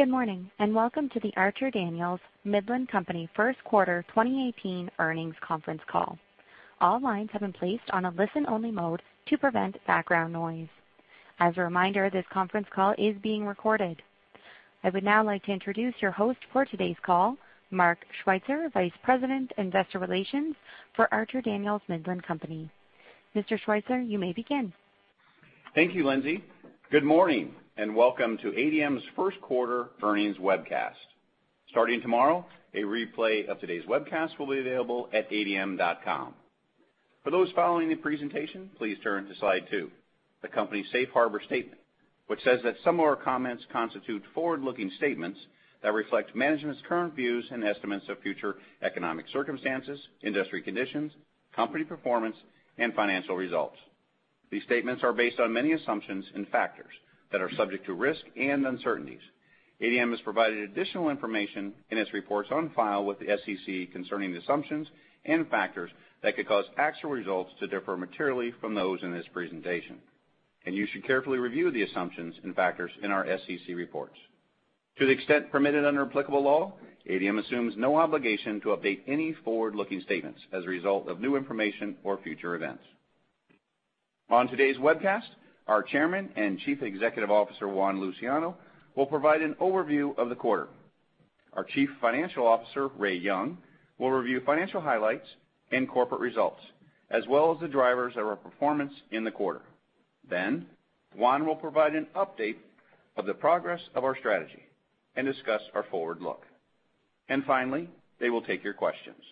Good morning, and welcome to the Archer Daniels Midland Company First Quarter 2018 earnings conference call. All lines have been placed on a listen-only mode to prevent background noise. As a reminder, this conference call is being recorded. I would now like to introduce your host for today's call, Mark Schweitzer, Vice President, Investor Relations for Archer Daniels Midland Company. Mr. Schweitzer, you may begin. Thank you, Lindsay. Good morning, and welcome to ADM's first quarter earnings webcast. Starting tomorrow, a replay of today's webcast will be available at adm.com. For those following the presentation, please turn to Slide 2, the company's safe harbor statement, which says that some of our comments constitute forward-looking statements that reflect management's current views and estimates of future economic circumstances, industry conditions, company performance, and financial results. These statements are based on many assumptions and factors that are subject to risk and uncertainties. ADM has provided additional information in its reports on file with the SEC concerning the assumptions and factors that could cause actual results to differ materially from those in this presentation, and you should carefully review the assumptions and factors in our SEC reports. To the extent permitted under applicable law, ADM assumes no obligation to update any forward-looking statements as a result of new information or future events. On today's webcast, our Chairman and Chief Executive Officer, Juan Luciano, will provide an overview of the quarter. Our Chief Financial Officer, Ray Young, will review financial highlights and corporate results, as well as the drivers of our performance in the quarter. Finally, they will take your questions.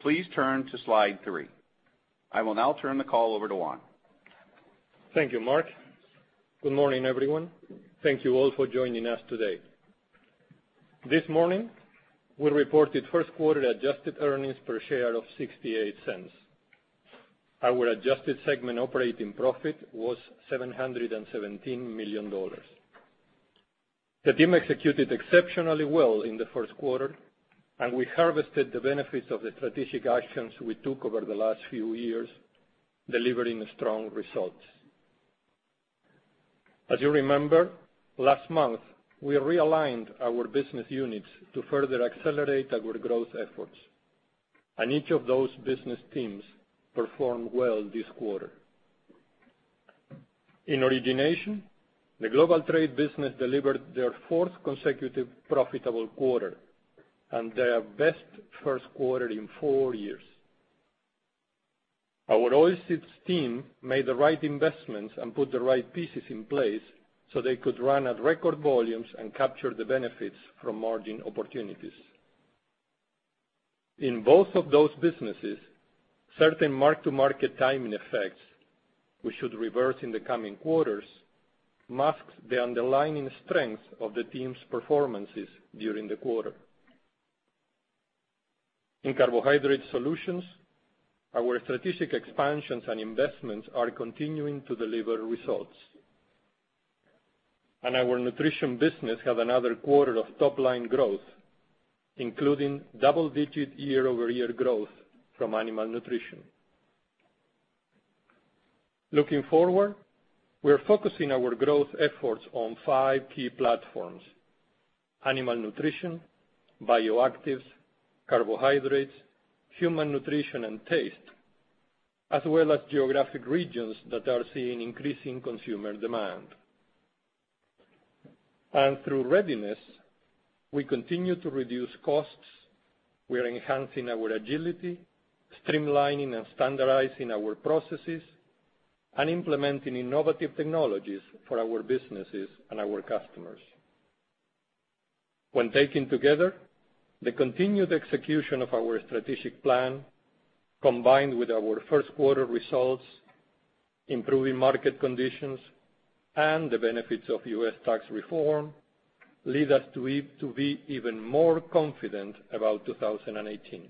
Please turn to Slide 3. I will now turn the call over to Juan. Thank you, Mark. Good morning, everyone. Thank you all for joining us today. This morning, we reported first quarter adjusted earnings per share of $0.68. Our adjusted segment operating profit was $717 million. The team executed exceptionally well in the first quarter, and we harvested the benefits of the strategic actions we took over the last few years, delivering strong results. As you remember, last month, we realigned our business units to further accelerate our growth efforts, and each of those business teams performed well this quarter. In origination, the global trade business delivered their fourth consecutive profitable quarter and their best first quarter in four years. Our oilseeds team made the right investments and put the right pieces in place so they could run at record volumes and capture the benefits from margin opportunities. In both of those businesses, certain mark-to-market timing effects, which should reverse in the coming quarters, masks the underlying strength of the team's performances during the quarter. In carbohydrate solutions, our strategic expansions and investments are continuing to deliver results. Our nutrition business had another quarter of top-line growth, including double-digit year-over-year growth from animal nutrition. Looking forward, we are focusing our growth efforts on five key platforms: animal nutrition, bioactives, carbohydrates, human nutrition, and taste, as well as geographic regions that are seeing increasing consumer demand. Through Readiness, we continue to reduce costs, we are enhancing our agility, streamlining and standardizing our processes, and implementing innovative technologies for our businesses and our customers. When taken together, the continued execution of our strategic plan, combined with our first quarter results, improving market conditions, and the benefits of U.S. tax reform, lead us to be even more confident about 2018.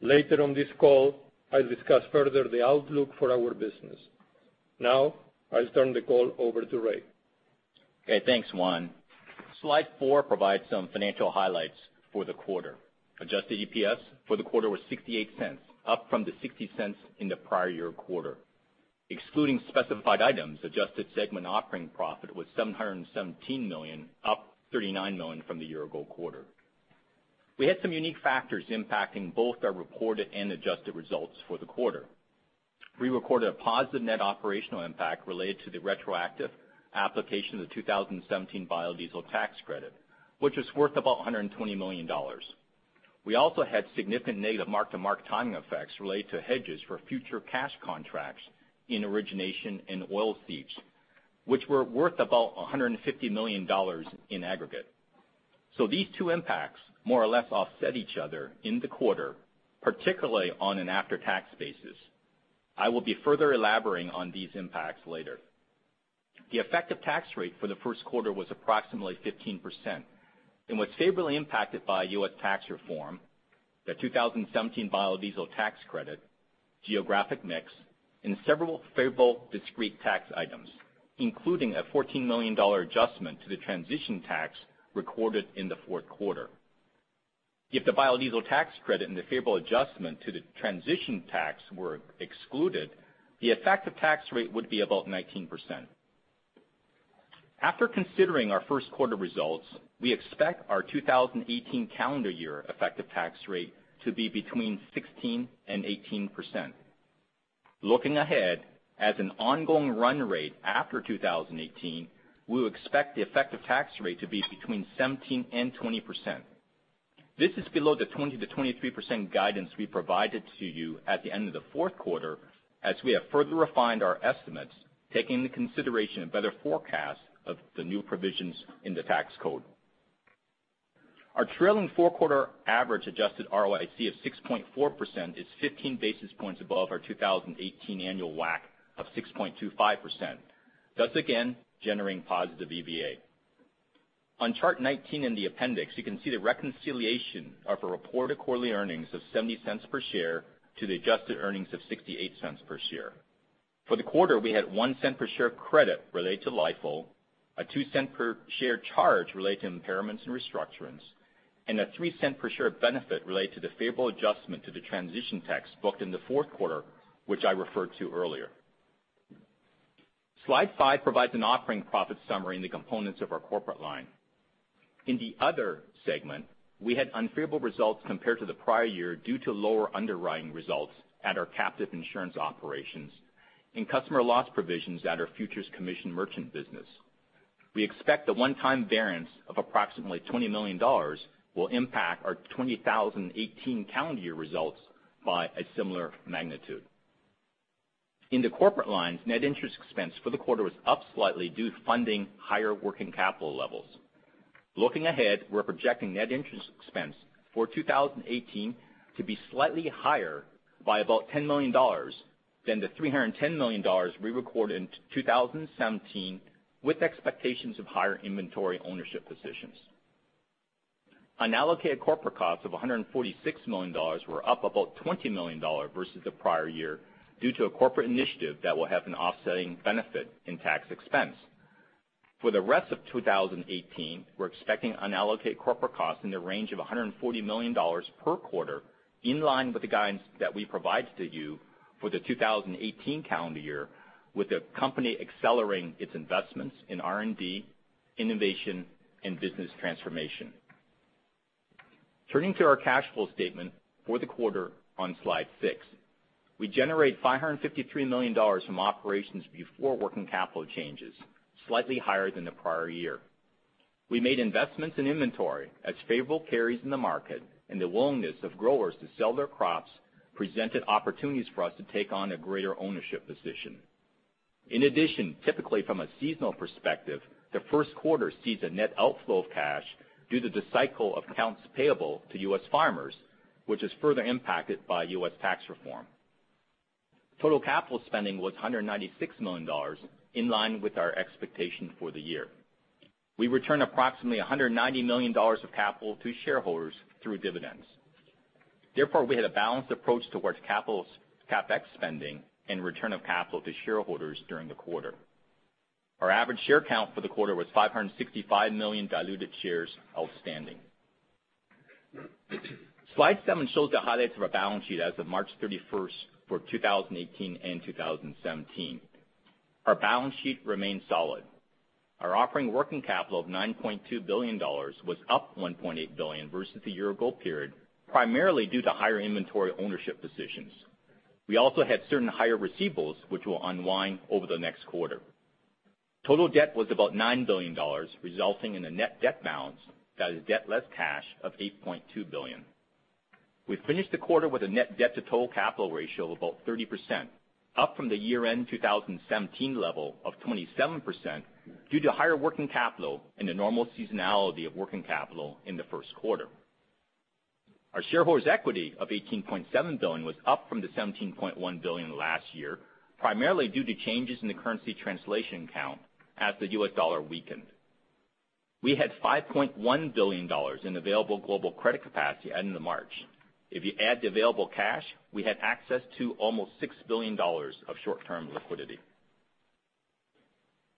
Later on this call, I'll discuss further the outlook for our business. I'll turn the call over to Ray. Okay. Thanks, Juan. Slide four provides some financial highlights for the quarter. Adjusted EPS for the quarter was $0.68, up from the $0.60 in the prior year quarter. Excluding specified items, adjusted segment operating profit was $717 million, up $39 million from the year-ago quarter. We had some unique factors impacting both our reported and adjusted results for the quarter. We recorded a positive net operational impact related to the retroactive application of the 2017 Biodiesel Tax Credit, which was worth about $120 million. We also had significant negative mark-to-market timing effects related to hedges for future cash contracts in origination and oilseeds, which were worth about $150 million in aggregate. These two impacts more or less offset each other in the quarter, particularly on an after-tax basis. I will be further elaborating on these impacts later. The effective tax rate for the first quarter was approximately 15% and was favorably impacted by U.S. tax reform, the 2017 Biodiesel Tax Credit, geographic mix, and several favorable discrete tax items, including a $14 million adjustment to the Transition Tax recorded in the fourth quarter. If the biodiesel tax credit and the favorable adjustment to the transition tax were excluded, the effective tax rate would be about 19%. After considering our first quarter results, we expect our 2018 calendar year effective tax rate to be between 16%-18%. Looking ahead, as an ongoing run rate after 2018, we expect the effective tax rate to be between 17%-20%. This is below the 20%-23% guidance we provided to you at the end of the fourth quarter, as we have further refined our estimates, taking into consideration a better forecast of the new provisions in the tax code. Our trailing four-quarter average adjusted ROIC of 6.4% is 15 basis points above our 2018 annual WACC of 6.25%, thus again, generating positive EVA. On Chart 19 in the appendix, you can see the reconciliation of a reported quarterly earnings of $0.70 per share to the adjusted earnings of $0.68 per share. For the quarter, we had $0.01 per share credit related to LIFO, a $0.02 per share charge related to impairments and restructurings, and a $0.03 per share benefit related to the favorable adjustment to the transition tax booked in the fourth quarter, which I referred to earlier. Slide five provides an operating profit summary in the components of our corporate line. In the other segment, we had unfavorable results compared to the prior year due to lower underwriting results at our captive insurance operations and customer loss provisions at our futures commission merchant business. We expect a one-time variance of approximately $20 million will impact our 2018 calendar year results by a similar magnitude. In the corporate lines, net interest expense for the quarter was up slightly due to funding higher working capital levels. Looking ahead, we're projecting net interest expense for 2018 to be slightly higher by about $10 million than the $310 million we recorded in 2017, with expectations of higher inventory ownership positions. Unallocated corporate costs of $146 million were up about $20 million versus the prior year, due to a corporate initiative that will have an offsetting benefit in tax expense. For the rest of 2018, we're expecting unallocated corporate costs in the range of $140 million per quarter, in line with the guidance that we provided to you for the 2018 calendar year, with the company accelerating its investments in R&D, innovation, and business transformation. Turning to our cash flow statement for the quarter on Slide 6. We generate $553 million from operations before working capital changes, slightly higher than the prior year. We made investments in inventory as favorable carries in the market, and the willingness of growers to sell their crops presented opportunities for us to take on a greater ownership position. In addition, typically from a seasonal perspective, the first quarter sees a net outflow of cash due to the cycle of accounts payable to U.S. farmers, which is further impacted by U.S. tax reform. Total capital spending was $196 million, in line with our expectation for the year. We returned approximately $190 million of capital to shareholders through dividends. Therefore, we had a balanced approach towards CapEx spending and return of capital to shareholders during the quarter. Our average share count for the quarter was 565 million diluted shares outstanding. Slide seven shows the highlights of our balance sheet as of March 31st for 2018 and 2017. Our balance sheet remains solid. Our operating working capital of $9.2 billion was up $1.8 billion versus the year-ago period, primarily due to higher inventory ownership positions. We also had certain higher receivables, which will unwind over the next quarter. Total debt was about $9 billion, resulting in a net debt balance, that is debt less cash, of $8.2 billion. We finished the quarter with a net debt to total capital ratio of about 30%, up from the year-end 2017 level of 27% due to higher working capital and the normal seasonality of working capital in the first quarter. Our shareholders' equity of $18.7 billion was up from the $17.1 billion last year, primarily due to changes in the currency translation count as the U.S. dollar weakened. We had $5.1 billion in available global credit capacity at the end of March. If you add the available cash, we had access to almost $6 billion of short-term liquidity.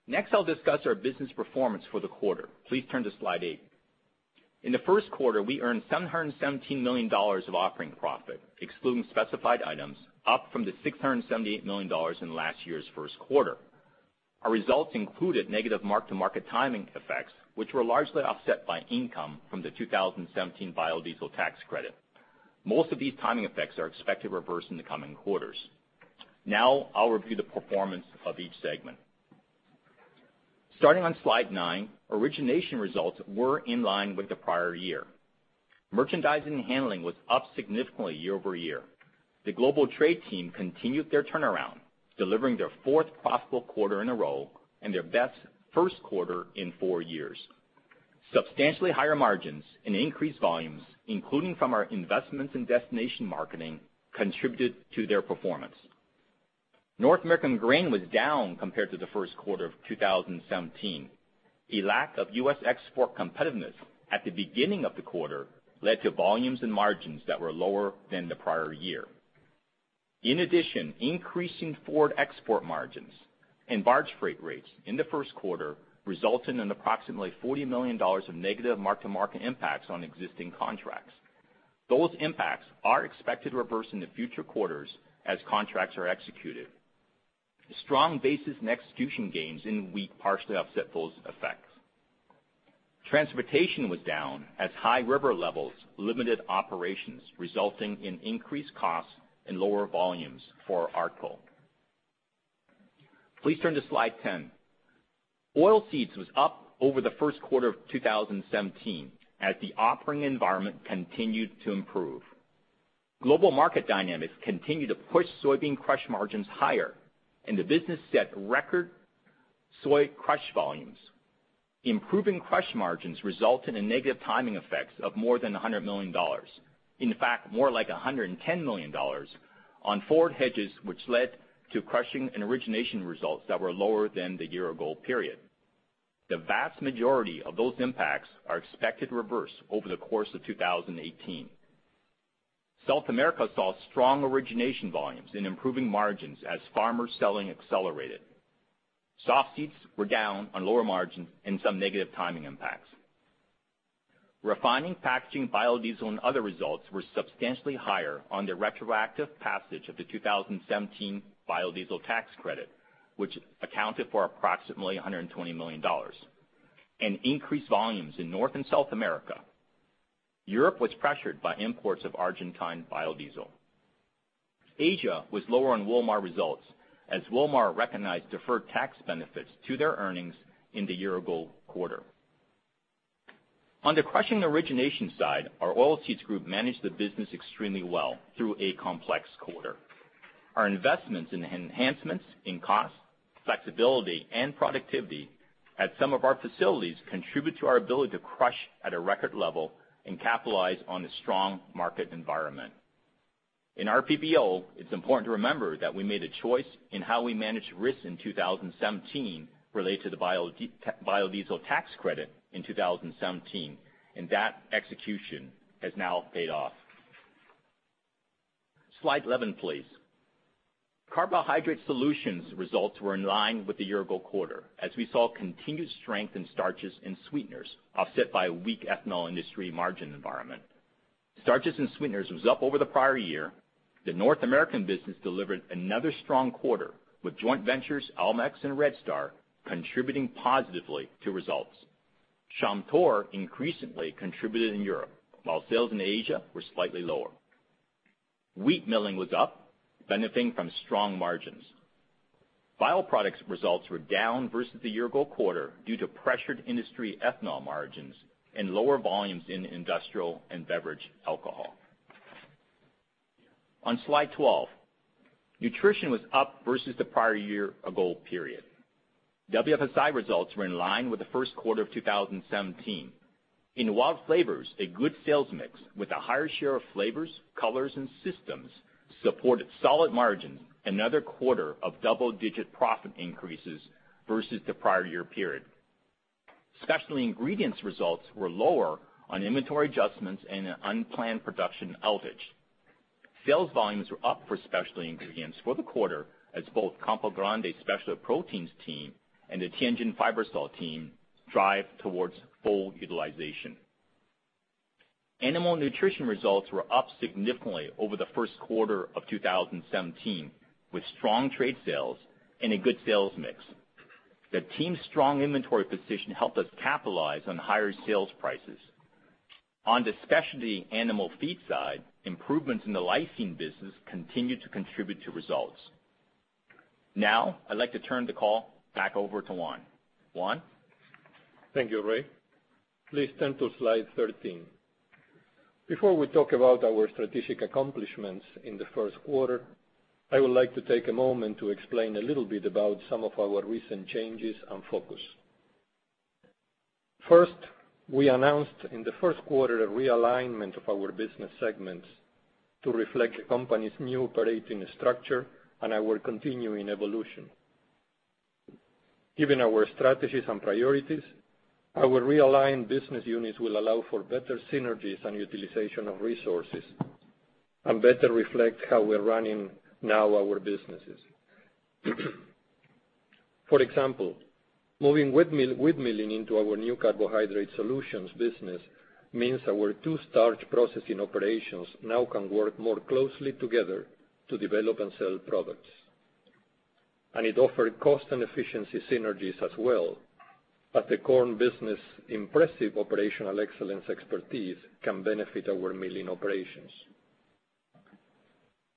Next, I'll discuss our business performance for the quarter. Please turn to slide eight. In the first quarter, we earned $717 million of operating profit, excluding specified items, up from the $678 million in last year's first quarter. Our results included negative mark-to-market timing effects, which were largely offset by income from the 2017 biodiesel tax credit. Most of these timing effects are expected to reverse in the coming quarters. Now, I'll review the performance of each segment. Starting on slide nine, origination results were in line with the prior year. Merchandising and handling was up significantly year-over-year. The global trade team continued their turnaround, delivering their fourth profitable quarter in a row and their best first quarter in four years. Substantially higher margins and increased volumes, including from our investments in destination marketing, contributed to their performance. North American grain was down compared to the first quarter of 2017. A lack of U.S. export competitiveness at the beginning of the quarter led to volumes and margins that were lower than the prior year. In addition, increasing forward export margins and barge freight rates in the first quarter resulted in approximately $40 million of negative mark-to-market impacts on existing contracts. Those impacts are expected to reverse in the future quarters as contracts are executed. Strong basis and execution gains in wheat partially offset those effects. Transportation was down as high river levels limited operations, resulting in increased costs and lower volumes for our coal. Please turn to slide 10. Oilseeds was up over the first quarter of 2017, as the operating environment continued to improve. Global market dynamics continued to push soybean crush margins higher, and the business set record soy crush volumes. Improving crush margins resulted in negative timing effects of more than $100 million. In fact, more like $110 million on forward hedges, which led to crushing and origination results that were lower than the year-ago period. The vast majority of those impacts are expected to reverse over the course of 2018. South America saw strong origination volumes and improving margins as farmer selling accelerated. Softseeds were down on lower margins and some negative timing impacts. Refining, packaging, biodiesel and other results were substantially higher on the retroactive passage of the 2017 biodiesel tax credit, which accounted for approximately $120 million, and increased volumes in North and South America. Europe was pressured by imports of Argentine biodiesel. Asia was lower on Wilmar results as Wilmar recognized deferred tax benefits to their earnings in the year-ago quarter. On the crushing origination side, our Oilseeds group managed the business extremely well through a complex quarter. Our investments in enhancements in cost, flexibility, and productivity at some of our facilities contribute to our ability to crush at a record level and capitalize on the strong market environment. In RPBO, it's important to remember that we made a choice in how we managed risks in 2017 related to the biodiesel tax credit in 2017, and that execution has now paid off. Slide 11, please. Carbohydrate Solutions results were in line with the year-ago quarter as we saw continued strength in starches and sweeteners, offset by a weak ethanol industry margin environment. Starches and sweeteners was up over the prior year. The North American business delivered another strong quarter, with joint ventures Almex and Red Star contributing positively to results. Chamtor increasingly contributed in Europe, while sales in Asia were slightly lower. Wheat milling was up, benefiting from strong margins. Bio products results were down versus the year-ago quarter due to pressured industry ethanol margins and lower volumes in industrial and beverage alcohol. On slide 12, Nutrition was up versus the prior year-ago period. WFSI results were in line with the first quarter of 2017. In WILD Flavors, a good sales mix with a higher share of flavors, colors, and systems supported solid margins, another quarter of double-digit profit increases versus the prior year period. Specialty Ingredients results were lower on inventory adjustments and an unplanned production outage. Sales volumes were up for Specialty Ingredients for the quarter, as both Campo Grande Specialty Proteins team and the Tianjin Fibersol team drive towards full utilization. Animal Nutrition results were up significantly over the first quarter of 2017, with strong trade sales and a good sales mix. The team's strong inventory position helped us capitalize on higher sales prices. On the specialty animal feed side, improvements in the lysine business continued to contribute to results. Now, I'd like to turn the call back over to Juan. Juan? Thank you, Ray. Please turn to slide 13. Before we talk about our strategic accomplishments in the first quarter, I would like to take a moment to explain a little bit about some of our recent changes and focus. First, we announced in the first quarter a realignment of our business segments to reflect the company's new operating structure and our continuing evolution. Given our strategies and priorities, our realigned business units will allow for better synergies and utilization of resources and better reflect how we're running now our businesses. For example, moving wheat milling into our new Carbohydrate Solutions business means our two starch processing operations now can work more closely together to develop and sell products. It offered cost and efficiency synergies as well, as the corn business' impressive operational excellence expertise can benefit our milling operations.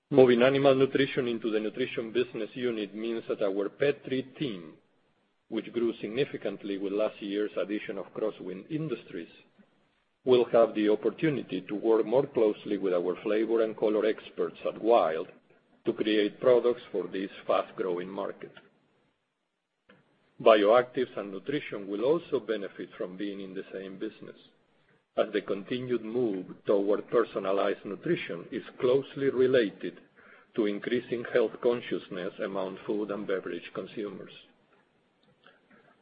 Moving Animal Nutrition into the Nutrition business unit means that our pet treat team, which grew significantly with last year's addition of Crosswind Industries, will have the opportunity to work more closely with our flavor and color experts at WILD to create products for this fast-growing market. Bioactives and Nutrition will also benefit from being in the same business, as the continued move toward personalized nutrition is closely related to increasing health consciousness among food and beverage consumers.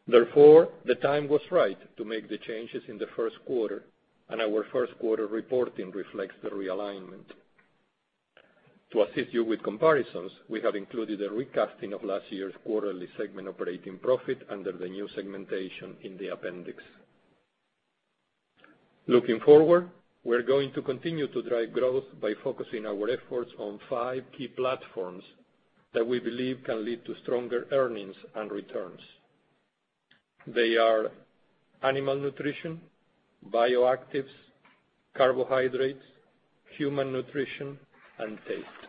The time was right to make the changes in the first quarter, and our first quarter reporting reflects the realignment. To assist you with comparisons, we have included a recasting of last year's quarterly segment operating profit under the new segmentation in the appendix. Looking forward, we're going to continue to drive growth by focusing our efforts on five key platforms that we believe can lead to stronger earnings and returns. They are animal nutrition, bioactives, carbohydrates, human nutrition, and taste.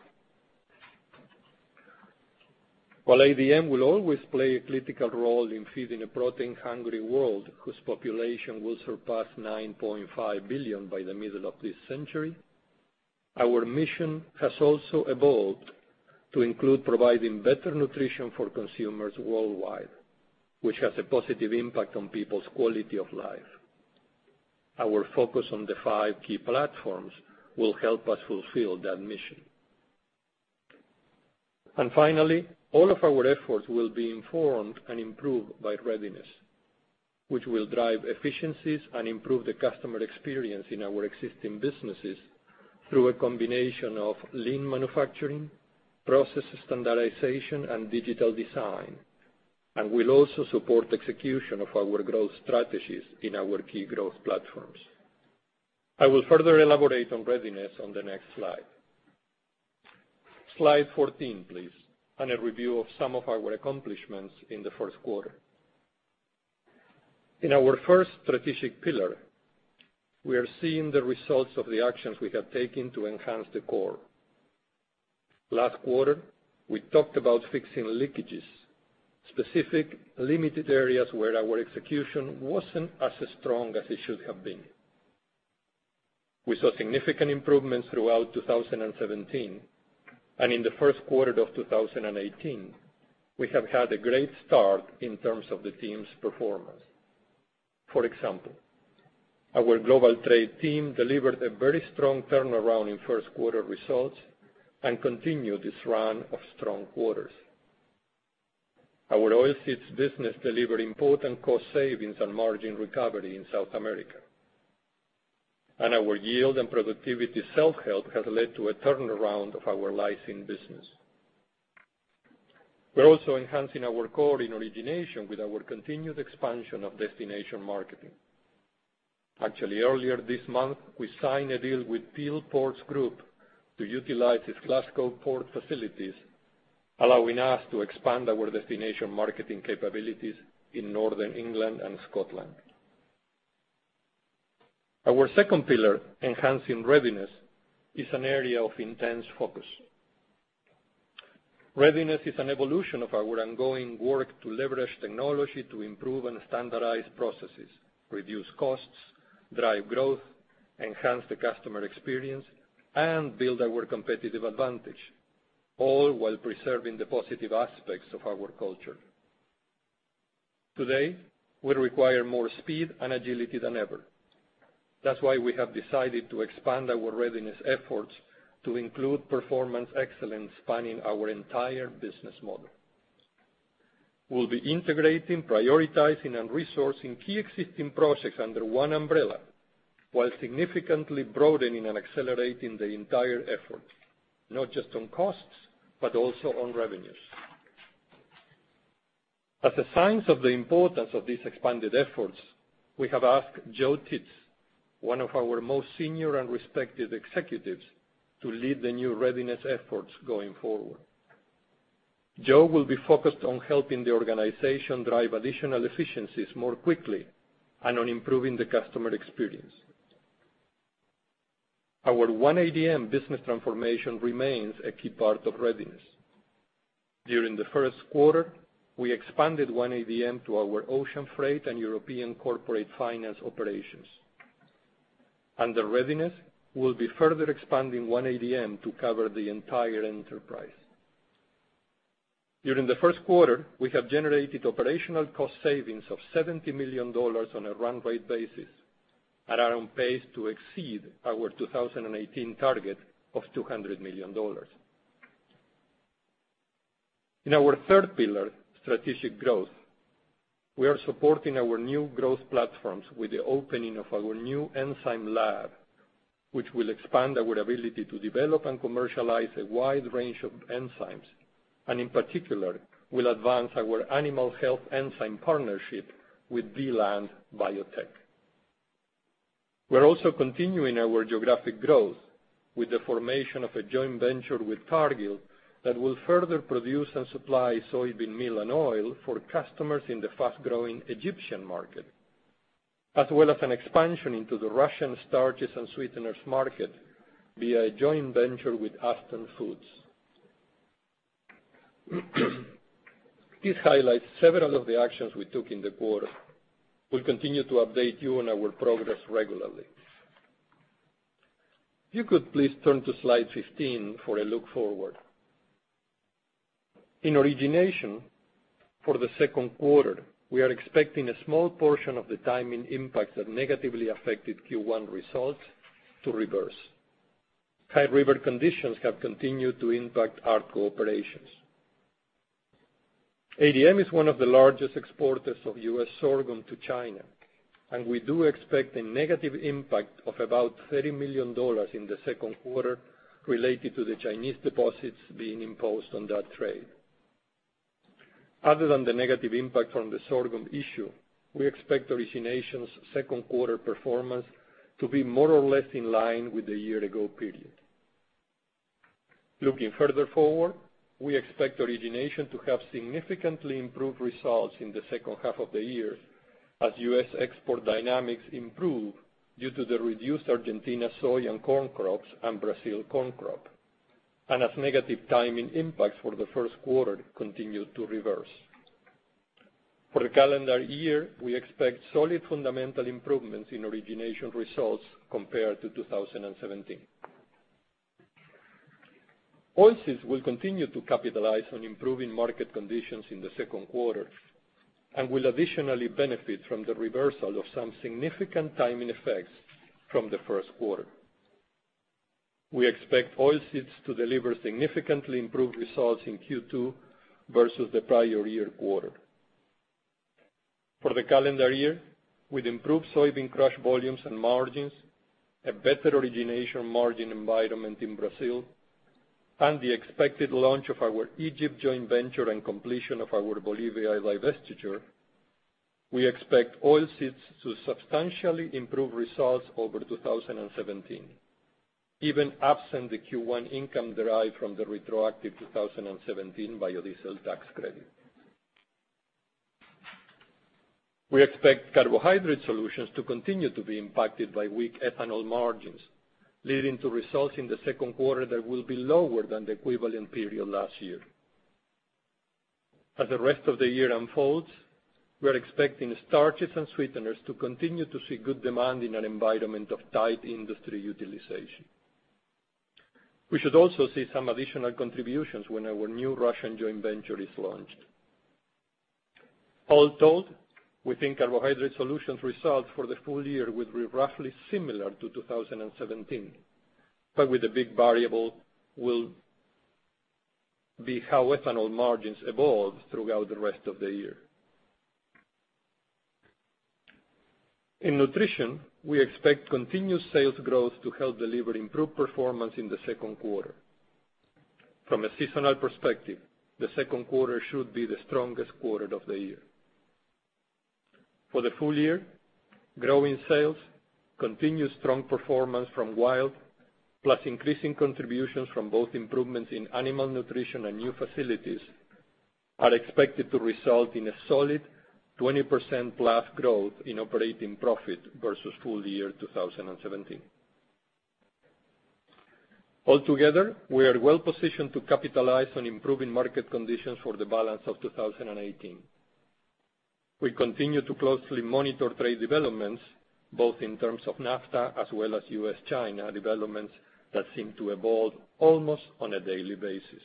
While ADM will always play a critical role in feeding a protein-hungry world whose population will surpass 9.5 billion by the middle of this century, our mission has also evolved to include providing better nutrition for consumers worldwide, which has a positive impact on people's quality of life. Our focus on the five key platforms will help us fulfill that mission. Finally, all of our efforts will be informed and improved by Readiness, which will drive efficiencies and improve the customer experience in our existing businesses through a combination of lean manufacturing, process standardization, and digital design, and will also support execution of our growth strategies in our key growth platforms. I will further elaborate on Readiness on the next slide. Slide 14, please, and a review of some of our accomplishments in the first quarter. In our first strategic pillar, we are seeing the results of the actions we have taken to enhance the core. Last quarter, we talked about fixing leakages, specific limited areas where our execution wasn't as strong as it should have been. We saw significant improvements throughout 2017, and in the first quarter of 2018, we have had a great start in terms of the team's performance. For example, our global trade team delivered a very strong turnaround in first quarter results and continued this run of strong quarters. Our oilseeds business delivered important cost savings and margin recovery in South America. Our yield and productivity self-help has led to a turnaround of our lysine business. We're also enhancing our core in origination with our continued expansion of destination marketing. Actually, earlier this month, we signed a deal with Peel Ports Group to utilize its Glasgow port facilities, allowing us to expand our destination marketing capabilities in Northern England and Scotland. Our second pillar, enhancing Readiness, is an area of intense focus. Readiness is an evolution of our ongoing work to leverage technology to improve and standardize processes, reduce costs, drive growth, enhance the customer experience, and build our competitive advantage, all while preserving the positive aspects of our culture. Today, we require more speed and agility than ever. That's why we have decided to expand our Readiness efforts to include performance excellence spanning our entire business model. We'll be integrating, prioritizing, and resourcing key existing projects under one umbrella while significantly broadening and accelerating the entire effort, not just on costs, but also on revenues. As a sign of the importance of these expanded efforts, we have asked Joe Taets, one of our most senior and respected executives, to lead the new Readiness efforts going forward. Joe will be focused on helping the organization drive additional efficiencies more quickly and on improving the customer experience. Our One ADM business transformation remains a key part of Readiness. During the first quarter, we expanded One ADM to our ocean freight and European corporate finance operations. Under Readiness, we'll be further expanding One ADM to cover the entire enterprise. During the first quarter, we have generated operational cost savings of $70 million on a run rate basis and are on pace to exceed our 2018 target of $200 million. In our third pillar, strategic growth, we are supporting our new growth platforms with the opening of our new enzyme lab, which will expand our ability to develop and commercialize a wide range of enzymes, and in particular, will advance our animal health enzyme partnership with Vland Biotech. We're also continuing our geographic growth with the formation of a joint venture with Targil that will further produce and supply soybean meal and oil for customers in the fast-growing Egyptian market, as well as an expansion into the Russian starches and sweeteners market via a joint venture with Aston Foods. This highlights several of the actions we took in the quarter. We'll continue to update you on our progress regularly. If you could please turn to slide 15 for a look forward. In origination for the second quarter, we are expecting a small portion of the timing impact that negatively affected Q1 results to reverse. High river conditions have continued to impact our core operations. ADM is one of the largest exporters of U.S. sorghum to China, and we do expect a negative impact of about $30 million in the second quarter related to the Chinese deposits being imposed on that trade. Other than the negative impact from the sorghum issue, we expect origination's second quarter performance to be more or less in line with the year-ago period. Looking further forward, we expect origination to have significantly improved results in the second half of the year as U.S. export dynamics improve due to the reduced Argentina soy and corn crops and Brazil corn crop, and as negative timing impacts for the first quarter continue to reverse. For the calendar year, we expect solid fundamental improvements in origination results compared to 2017. Oilseeds will continue to capitalize on improving market conditions in the second quarter and will additionally benefit from the reversal of some significant timing effects from the first quarter. We expect oilseeds to deliver significantly improved results in Q2 versus the prior year quarter. For the calendar year, with improved soybean crush volumes and margins, a better origination margin environment in Brazil, and the expected launch of our Egypt joint venture and completion of our Bolivia divestiture, we expect oilseeds to substantially improve results over 2017, even absent the Q1 income derived from the retroactive 2017 biodiesel tax credit. We expect carbohydrate solutions to continue to be impacted by weak ethanol margins, leading to results in the second quarter that will be lower than the equivalent period last year. As the rest of the year unfolds, we are expecting starches and sweeteners to continue to see good demand in an environment of tight industry utilization. We should also see some additional contributions when our new Russian joint venture is launched. All told, we think carbohydrate solutions results for the full year will be roughly similar to 2017, but with a big variable will be how ethanol margins evolve throughout the rest of the year. In nutrition, we expect continued sales growth to help deliver improved performance in the second quarter. From a seasonal perspective, the second quarter should be the strongest quarter of the year. For the full year, growing sales, continued strong performance from WILD, plus increasing contributions from both improvements in animal nutrition and new facilities, are expected to result in a solid 20%+ growth in operating profit versus full year 2017. Altogether, we are well-positioned to capitalize on improving market conditions for the balance of 2018. We continue to closely monitor trade developments, both in terms of NAFTA as well as U.S.-China developments that seem to evolve almost on a daily basis.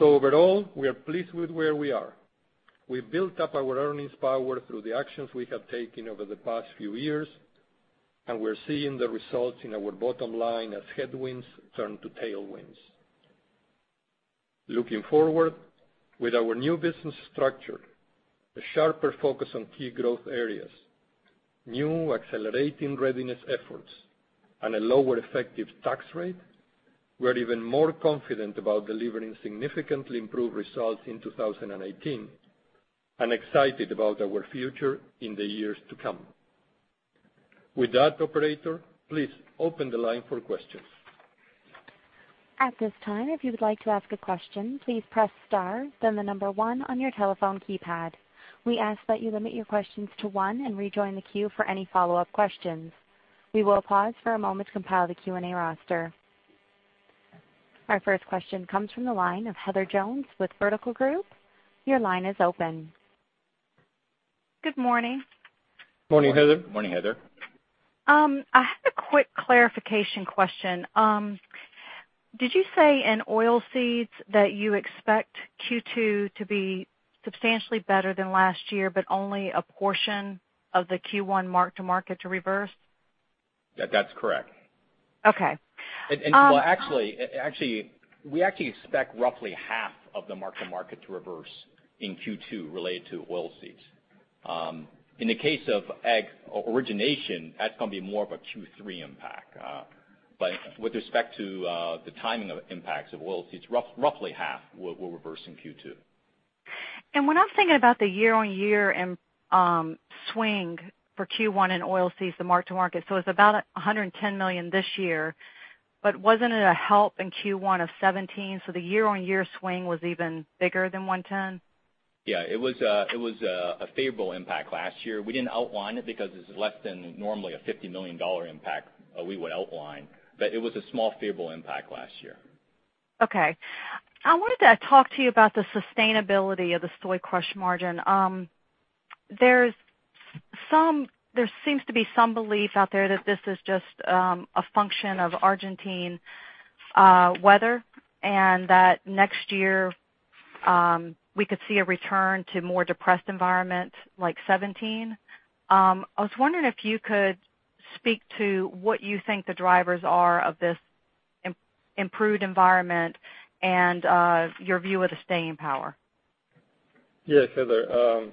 Overall, we are pleased with where we are. We've built up our earnings power through the actions we have taken over the past few years, and we're seeing the results in our bottom line as headwinds turn to tailwinds. Looking forward, with our new business structure, a sharper focus on key growth areas, new accelerating Readiness efforts, and a lower effective tax rate, we are even more confident about delivering significantly improved results in 2018, and excited about our future in the years to come. With that, operator, please open the line for questions. At this time, if you would like to ask a question, please press star, then the number 1 on your telephone keypad. We ask that you limit your questions to one and rejoin the queue for any follow-up questions. We will pause for a moment to compile the Q&A roster. Our first question comes from the line of Heather Jones with Vertical Group. Your line is open. Good morning. Morning, Heather. Morning, Heather. I have a quick clarification question. Did you say in oilseeds that you expect Q2 to be substantially better than last year, but only a portion of the Q1 mark-to-market to reverse? That's correct. Okay. Well, we actually expect roughly half of the mark-to-market to reverse in Q2 related to oilseeds. In the case of origination, that's going to be more of a Q3 impact. With respect to the timing of impacts of oilseeds, roughly half will reverse in Q2. When I'm thinking about the year-on-year swing for Q1 in oilseeds, the mark-to-market. It's about $110 million this year, wasn't it a help in Q1 of 2017, the year-on-year swing was even bigger than $110? Yeah. It was a favorable impact last year. We didn't outline it because it's less than normally a $50 million impact we would outline. It was a small, favorable impact last year. Okay. I wanted to talk to you about the sustainability of the soy crush margin. There seems to be some belief out there that this is just a function of Argentine weather, that next year we could see a return to more depressed environment like 2017. I was wondering if you could speak to what you think the drivers are of this improved environment and your view of the staying power. Yes, Heather.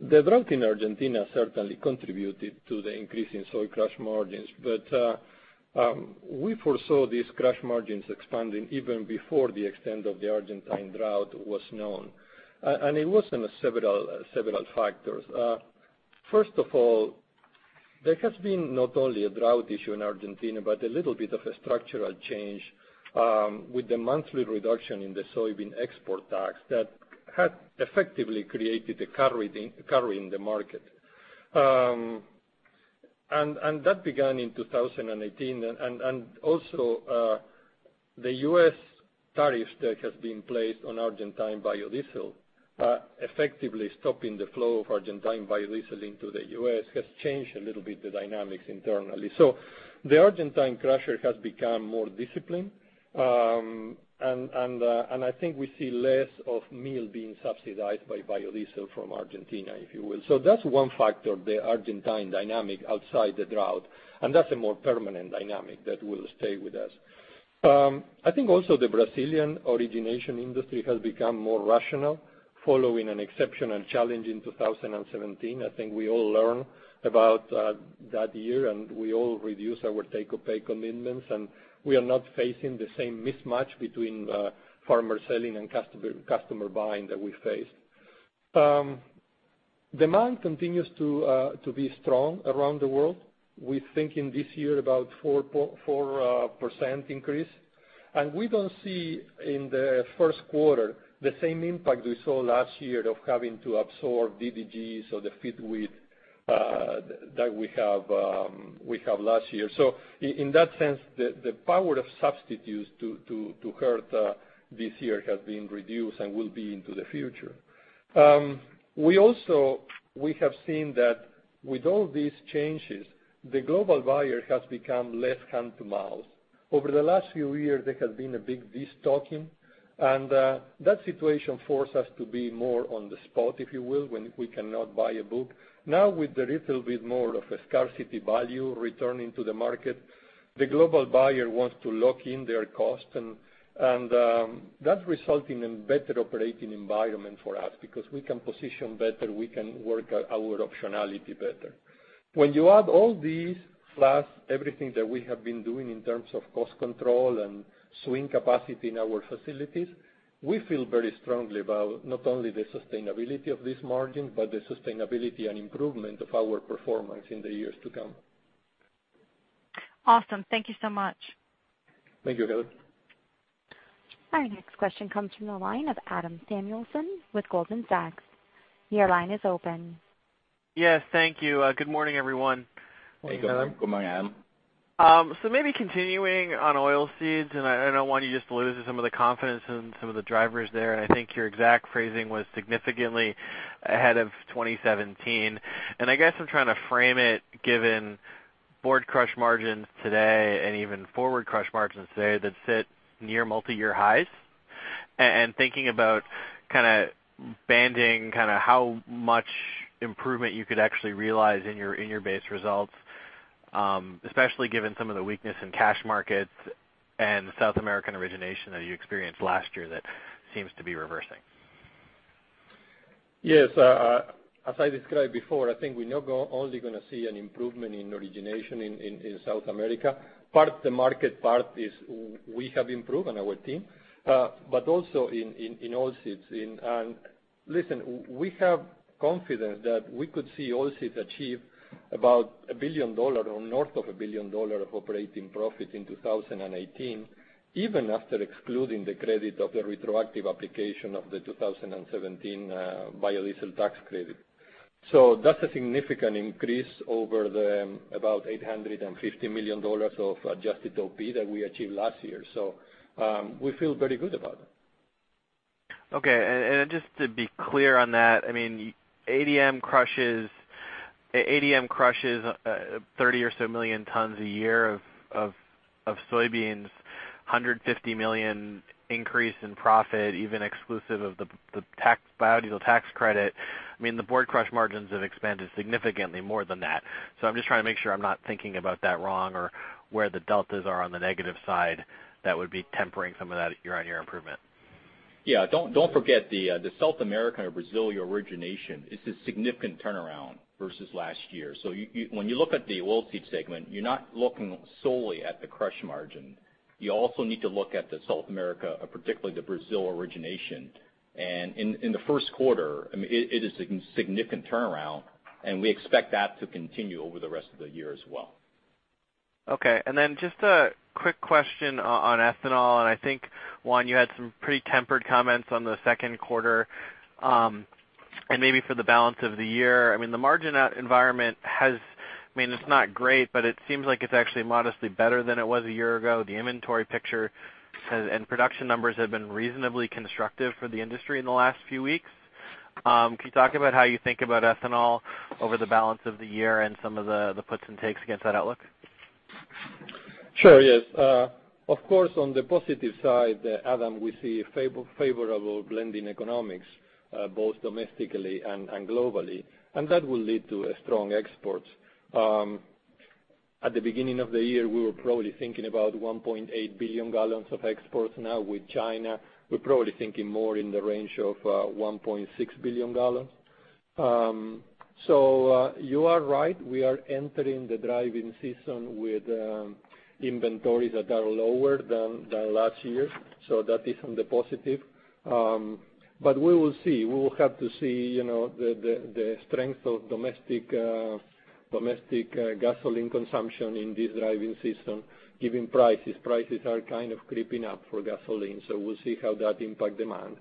The drought in Argentina certainly contributed to the increase in soy crush margins. We foresaw these crush margins expanding even before the extent of the Argentine drought was known. It was in several factors. First of all, there has been not only a drought issue in Argentina, but a little bit of a structural change, with the monthly reduction in the soybean export tax that had effectively created a cover in the market. That began in 2018, and also, the U.S. tariff that has been placed on Argentine biodiesel, effectively stopping the flow of Argentine biodiesel into the U.S. has changed a little bit the dynamics internally. The Argentine crusher has become more disciplined, and I think we see less of meal being subsidized by biodiesel from Argentina, if you will. That's one factor, the Argentine dynamic outside the drought, and that's a more permanent dynamic that will stay with us. I think also the Brazilian origination industry has become more rational following an exceptional challenge in 2017. I think we all learn about that year, and we all reduce our take-or-pay commitments, and we are not facing the same mismatch between farmer selling and customer buying that we faced. Demand continues to be strong around the world. We think in this year about 4% increase. We don't see in the first quarter the same impact we saw last year of having to absorb DDGs or the feed wheat that we have last year. In that sense, the power of substitutes to hurt this year has been reduced and will be into the future. We have seen that with all these changes, the global buyer has become less hand-to-mouth. Over the last few years, there has been a big destocking, and that situation forced us to be more on the spot, if you will, when we cannot buy a book. Now, with a little bit more of a scarcity value returning to the market, the global buyer wants to lock in their cost, and that results in a better operating environment for us because we can position better, we can work our optionality better. When you add all these, plus everything that we have been doing in terms of cost control and swing capacity in our facilities, we feel very strongly about not only the sustainability of this margin, but the sustainability and improvement of our performance in the years to come. Awesome. Thank you so much. Thank you, Heather. Our next question comes from the line of Adam Samuelson with Goldman Sachs. Your line is open. Yes. Thank you. Good morning, everyone. Good morning, Adam. Maybe continuing on Oilseeds, I don't want you just to lose some of the confidence in some of the drivers there. I think your exact phrasing was significantly ahead of 2017. I guess I'm trying to frame it given board crush margins today and even forward crush margins today that sit near multi-year highs. Thinking about banding how much improvement you could actually realize in your base results, especially given some of the weakness in cash markets and South American origination that you experienced last year that seems to be reversing. Yes. As I described before, I think we're not only going to see an improvement in origination in South America. Part the market, part is we have improved on our team. Also in Oilseeds, listen, we have confidence that we could see Oilseeds achieve about $1 billion or north of $1 billion of operating profit in 2018, even after excluding the credit of the retroactive application of the 2017 biodiesel tax credit. That's a significant increase over the about $850 million of adjusted OP that we achieved last year. We feel very good about it. Okay. Just to be clear on that, ADM crushes 30 or so million tons a year of soybeans, $150 million increase in profit, even exclusive of the biodiesel tax credit. The board crush margins have expanded significantly more than that. I'm just trying to make sure I'm not thinking about that wrong or where the deltas are on the negative side that would be tempering some of that year-on-year improvement. Yeah. Don't forget the South America or Brazil origination is a significant turnaround versus last year. When you look at the oil seed segment, you're not looking solely at the crush margin. You also need to look at the South America, particularly the Brazil origination. In the first quarter, it is a significant turnaround, and we expect that to continue over the rest of the year as well. Okay. Just a quick question on ethanol. I think, Juan, you had some pretty tempered comments on the second quarter, maybe for the balance of the year. The margin environment it's not great, but it seems like it's actually modestly better than it was a year ago. The inventory picture and production numbers have been reasonably constructive for the industry in the last few weeks. Can you talk about how you think about ethanol over the balance of the year and some of the puts and takes against that outlook? Sure. Yes. Of course, on the positive side, Adam, we see favorable blending economics both domestically and globally. That will lead to strong exports. At the beginning of the year, we were probably thinking about 1.8 billion gallons of exports. Now with China, we're probably thinking more in the range of 1.6 billion gallons. You are right, we are entering the driving season with inventories that are lower than last year. That is on the positive. We will see. We will have to see the strength of domestic gasoline consumption in this driving season, given prices. Prices are kind of creeping up for gasoline, so we'll see how that impacts demand.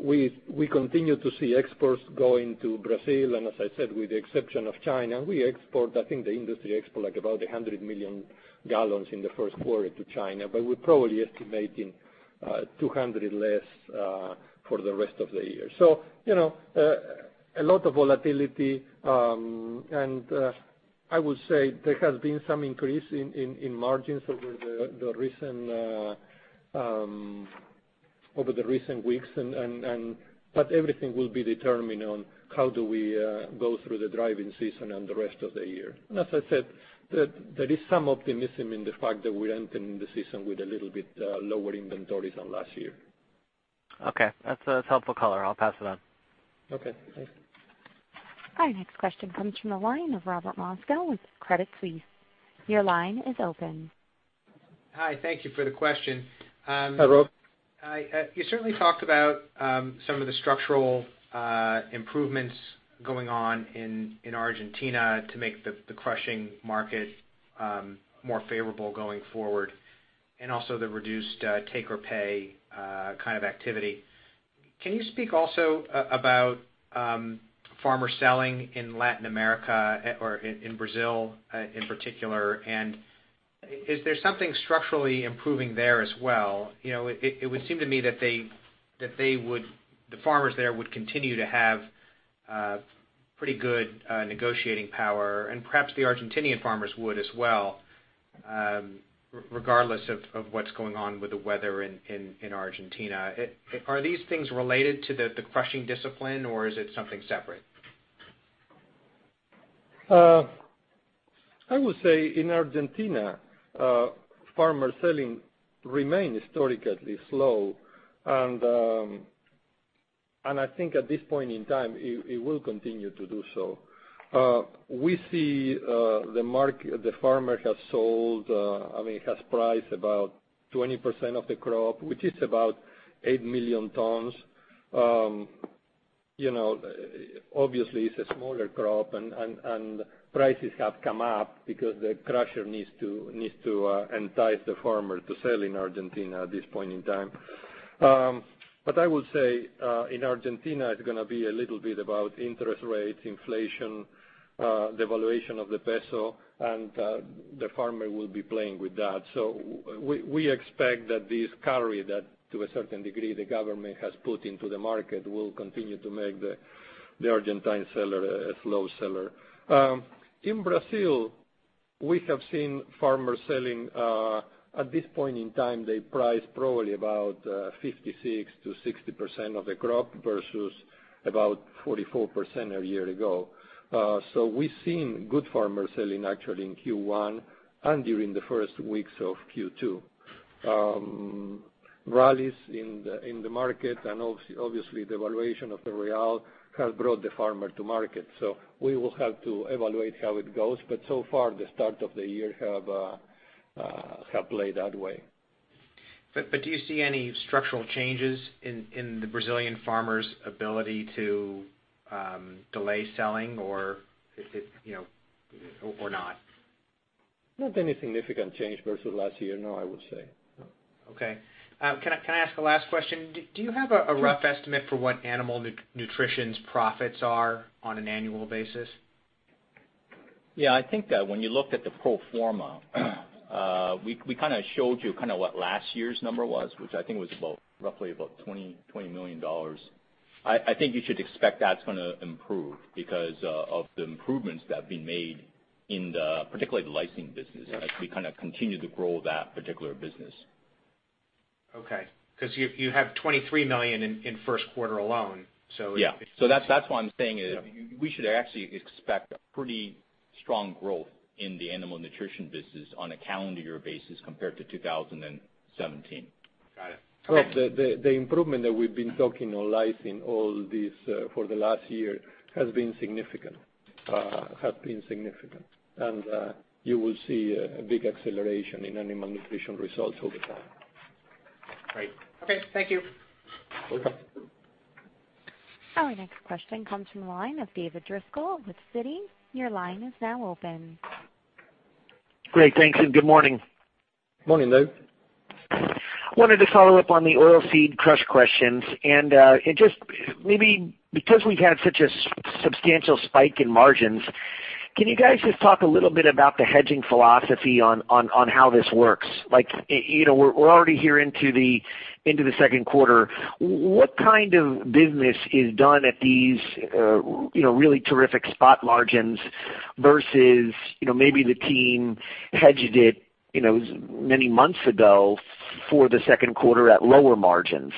We continue to see exports going to Brazil, as I said, with the exception of China. We export, I think the industry export like about 100 million gallons in the first quarter to China, but we're probably estimating 200 less for the rest of the year. A lot of volatility. I would say there has been some increase in margins over the recent weeks, but everything will be determined on how do we go through the driving season and the rest of the year. As I said, there is some optimism in the fact that we're entering the season with a little bit lower inventories than last year. Okay. That's a helpful color. I'll pass it on. Okay, thanks. Our next question comes from the line of Robert Moskow with Credit Suisse. Your line is open. Hi, thank you for the question. Hi, Rob. You certainly talked about some of the structural improvements going on in Argentina to make the crushing market more favorable going forward, and also the reduced take or pay kind of activity. Can you speak also about farmer selling in Latin America or in Brazil in particular, and is there something structurally improving there as well? It would seem to me that the farmers there would continue to have pretty good negotiating power, and perhaps the Argentinian farmers would as well, regardless of what's going on with the weather in Argentina. Are these things related to the crushing discipline or is it something separate? I would say in Argentina, farmer selling remains historically slow, and I think at this point in time, it will continue to do so. We see the farmer has sold, I mean, has priced about 20% of the crop, which is about 8 million tons. Obviously, it's a smaller crop, and prices have come up because the crusher needs to entice the farmer to sell in Argentina at this point in time. I would say, in Argentina, it's going to be a little bit about interest rates, inflation, devaluation of the peso, and the farmer will be playing with that. We expect that this carry that to a certain degree the government has put into the market will continue to make the Argentine seller a slow seller. In Brazil, we have seen farmers selling. At this point in time, they priced probably about 56%-60% of the crop versus about 44% a year ago. We've seen good farmer selling actually in Q1 and during the first weeks of Q2. Rallies in the market and obviously devaluation of the real has brought the farmer to market. We will have to evaluate how it goes, but so far, the start of the year have played that way. Do you see any structural changes in the Brazilian farmer's ability to delay selling or not? Not any significant change versus last year, no, I would say. No. Okay. Can I ask a last question? Do you have a rough estimate for what Animal Nutrition's profits are on an annual basis? Yeah, I think when you looked at the pro forma, we kind of showed you kind of what last year's number was, which I think was roughly about $20 million. I think you should expect that's going to improve because of the improvements that have been made in the, particularly the lysine business. Yes. As we kind of continue to grow that particular business. Okay. Because you have $23 million in first quarter alone. Yeah. That's why I'm saying. Yeah We should actually expect a pretty strong growth in the Animal Nutrition business on a calendar year basis compared to 2017. Got it. Okay. Well, the improvement that we've been talking on lysine all this for the last year has been significant. You will see a big acceleration in Animal Nutrition results over time. Great. Okay, thank you. Welcome. Our next question comes from the line of David Driscoll with Citi. Your line is now open. Great. Thanks, good morning. Morning, David. Maybe because we've had such a substantial spike in margins, can you guys just talk a little bit about the hedging philosophy on how this works? Like, we're already here into the second quarter. What kind of business is done at these really terrific spot margins? Versus maybe the team hedged it many months ago for the second quarter at lower margins.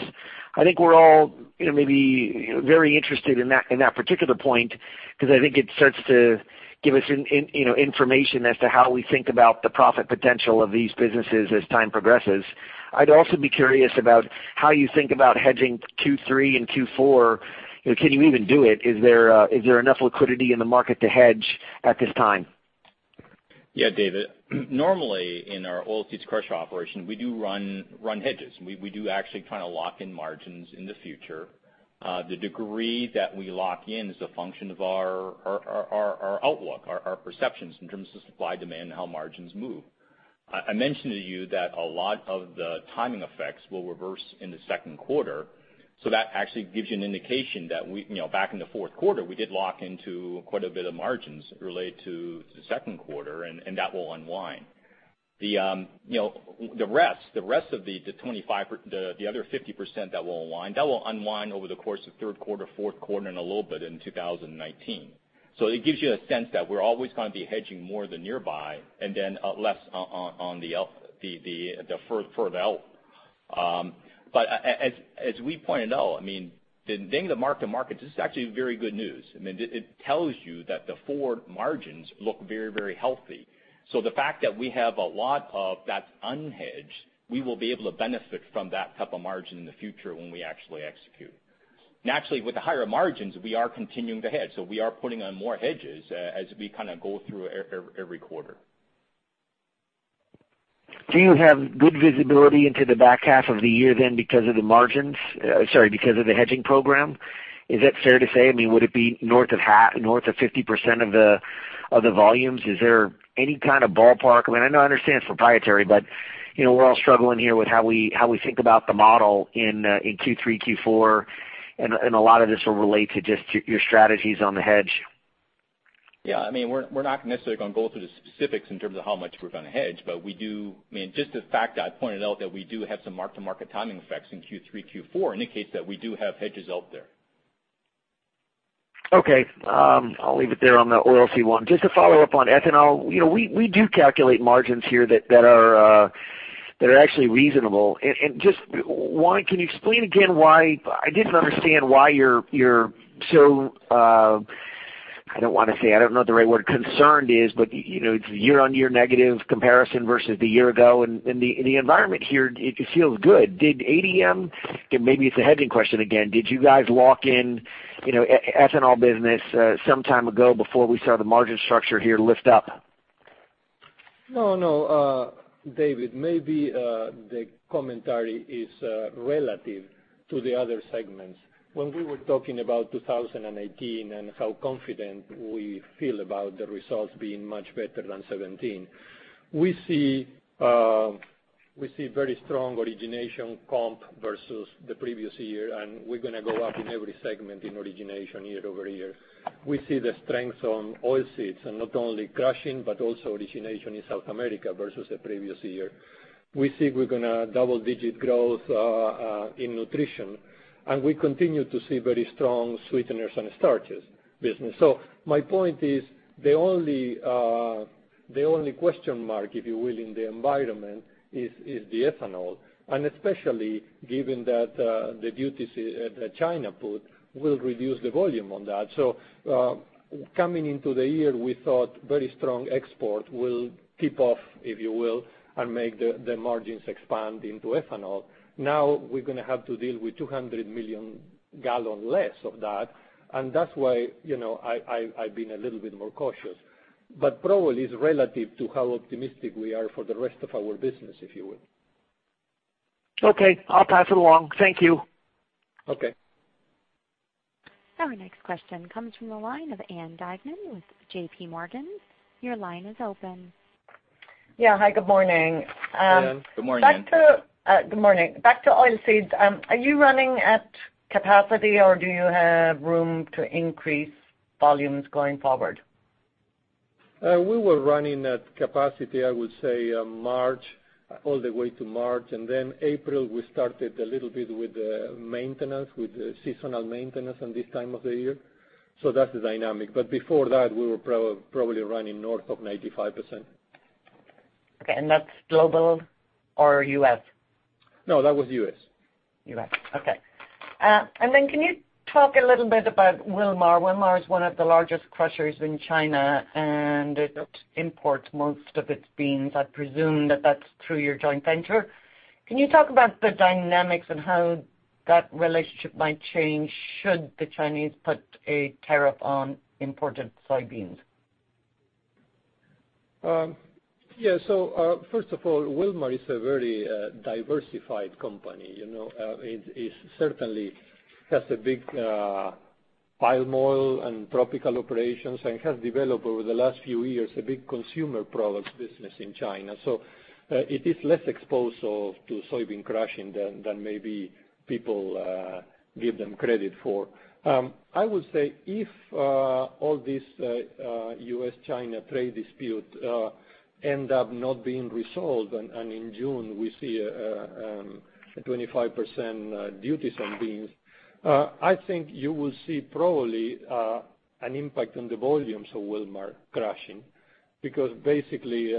I think we're all maybe very interested in that particular point, because I think it starts to give us information as to how we think about the profit potential of these businesses as time progresses. I'd also be curious about how you think about hedging Q3 and Q4. Can you even do it? Is there enough liquidity in the market to hedge at this time? Yeah, David. Normally, in our oilseeds crush operation, we do run hedges. We do actually try to lock in margins in the future. The degree that we lock in is a function of our outlook, our perceptions in terms of supply, demand, and how margins move. I mentioned to you that a lot of the timing effects will reverse in the second quarter, that actually gives you an indication that back in the fourth quarter, we did lock into quite a bit of margins related to the second quarter, and that will unwind. The rest of the other 50% that will unwind, that will unwind over the course of third quarter, fourth quarter, and a little bit in 2019. It gives you a sense that we're always going to be hedging more the nearby, and then less on the further out. As we pointed out, the thing that mark-to-market is actually very good news. It tells you that the forward margins look very, very healthy. The fact that we have a lot of that unhedged, we will be able to benefit from that type of margin in the future when we actually execute. Naturally, with the higher margins, we are continuing to hedge, we are putting on more hedges as we go through every quarter. Do you have good visibility into the back half of the year because of the margins? Sorry, because of the hedging program? Is that fair to say? Would it be north of 50% of the volumes? Is there any kind of ballpark? I know, I understand it's proprietary, but we're all struggling here with how we think about the model in Q3, Q4, and a lot of this will relate to just your strategies on the hedge. We're not necessarily going to go through the specifics in terms of how much we're going to hedge, but just the fact that I pointed out that we do have some mark-to-market timing effects in Q3, Q4 indicates that we do have hedges out there. I'll leave it there on the oilseed one. Just to follow up on ethanol, we do calculate margins here that are actually reasonable. Can you explain again why I didn't understand why you're so, I don't want to say, I don't know what the right word concerned is, but it's year-on-year negative comparison versus the year ago, and the environment here, it feels good. Did ADM, maybe it's a hedging question again, did you guys lock in ethanol business some time ago before we saw the margin structure here lift up? No, David, maybe the commentary is relative to the other segments. When we were talking about 2018 and how confident we feel about the results being much better than 2017, we see very strong origination comp versus the previous year, and we're going to go up in every segment in origination year-over-year. We see the strength on oilseeds, and not only crushing, but also origination in South America versus the previous year. We think we're going to double-digit growth in nutrition, and we continue to see very strong sweeteners and starches business. My point is, the only question mark, if you will, in the environment is the ethanol, and especially given that the duties that China put will reduce the volume on that. Coming into the year, we thought very strong export will kick off, if you will, and make the margins expand into ethanol. We're going to have to deal with 200 million gallons less of that's why I've been a little bit more cautious. Probably it's relative to how optimistic we are for the rest of our business, if you will. Okay. I'll pass it along. Thank you. Okay. Our next question comes from the line of Ann Duignan with JPMorgan. Your line is open. Yeah. Hi, good morning. Good morning. Good morning. Back to oilseeds. Are you running at capacity, or do you have room to increase volumes going forward? We were running at capacity, I would say all the way to March. Then April we started a little bit with the maintenance, with the seasonal maintenance on this time of the year. That's the dynamic. Before that, we were probably running north of 95%. Okay, that's global or U.S.? No, that was U.S. U.S. Okay. Can you talk a little bit about Wilmar? Wilmar is one of the largest crushers in China, and it imports most of its beans. I presume that that's through your joint venture. Can you talk about the dynamics and how that relationship might change should the Chinese put a tariff on imported soybeans? First of all, Wilmar is a very diversified company. It certainly has a big palm oil and tropical operations, and has developed over the last few years, a big consumer products business in China. It is less exposed to soybean crushing than maybe people give them credit for. I would say if all these U.S.-China trade disputes end up not being resolved, and in June we see a 25% duties on beans, I think you will see probably an impact on the volumes of Wilmar crushing, because basically,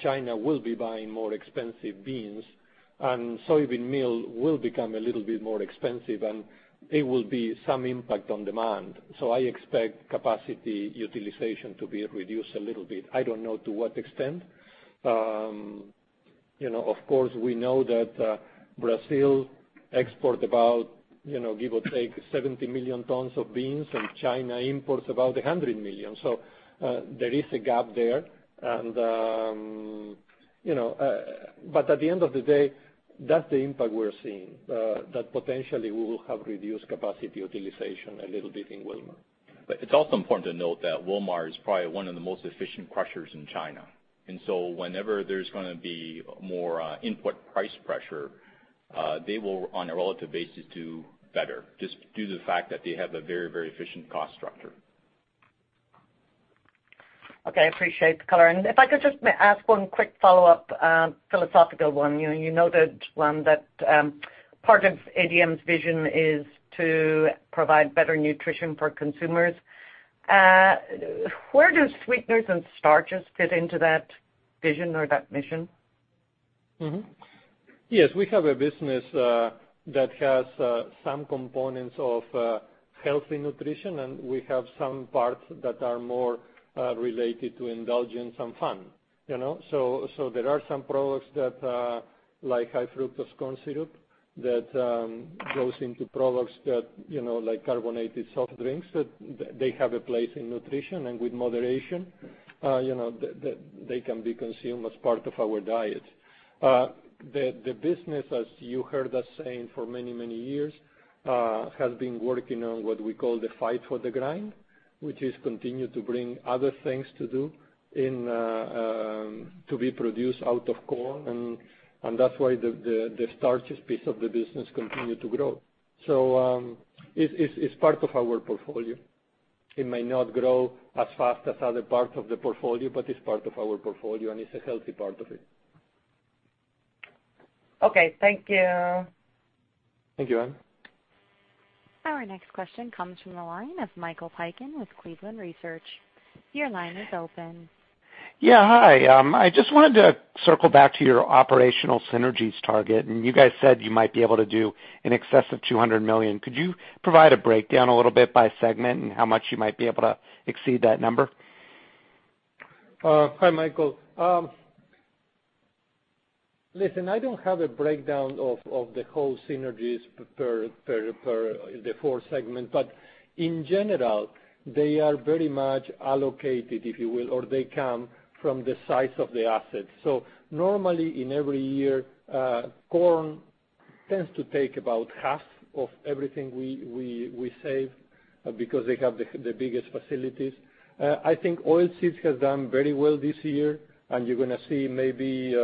China will be buying more expensive beans. Soybean meal will become a little bit more expensive, and it will be some impact on demand. I expect capacity utilization to be reduced a little bit. I don't know to what extent. Of course, we know that Brazil export about, give or take, 70 million tons of beans, and China imports about 100 million. There is a gap there. At the end of the day, that's the impact we're seeing. That potentially we will have reduced capacity utilization a little bit in Wilmar. It's also important to note that Wilmar is probably one of the most efficient crushers in China. Whenever there's going to be more input price pressure, they will, on a relative basis, do better just due to the fact that they have a very efficient cost structure. Okay. I appreciate the color. If I could just ask one quick follow-up, philosophical one. You know that part of ADM's vision is to provide better nutrition for consumers. Where do sweeteners and starches fit into that vision or that mission? Yes, we have a business that has some components of healthy nutrition, and we have some parts that are more related to indulgence and fun. There are some products like high fructose corn syrup that goes into products like carbonated soft drinks, that they have a place in nutrition and with moderation. They can be consumed as part of our diet. The business, as you heard us saying for many years, has been working on what we call the fight for the grind, which is continue to bring other things to do to be produced out of corn, and that's why the starches piece of the business continue to grow. It's part of our portfolio. It may not grow as fast as other parts of the portfolio, but it's part of our portfolio, and it's a healthy part of it. Okay, thank you. Thank you, Ann. Our next question comes from the line of Michael Piken with Cleveland Research. Your line is open. Yeah. Hi. I just wanted to circle back to your operational synergies target. You guys said you might be able to do in excess of $200 million. Could you provide a breakdown a little bit by segment and how much you might be able to exceed that number? Hi, Michael. Listen, I don't have a breakdown of the whole synergies per the four segments. In general, they are very much allocated, if you will, or they come from the size of the assets. Normally in every year, corn tends to take about half of everything we save because they have the biggest facilities. I think oilseeds has done very well this year. You're going to see maybe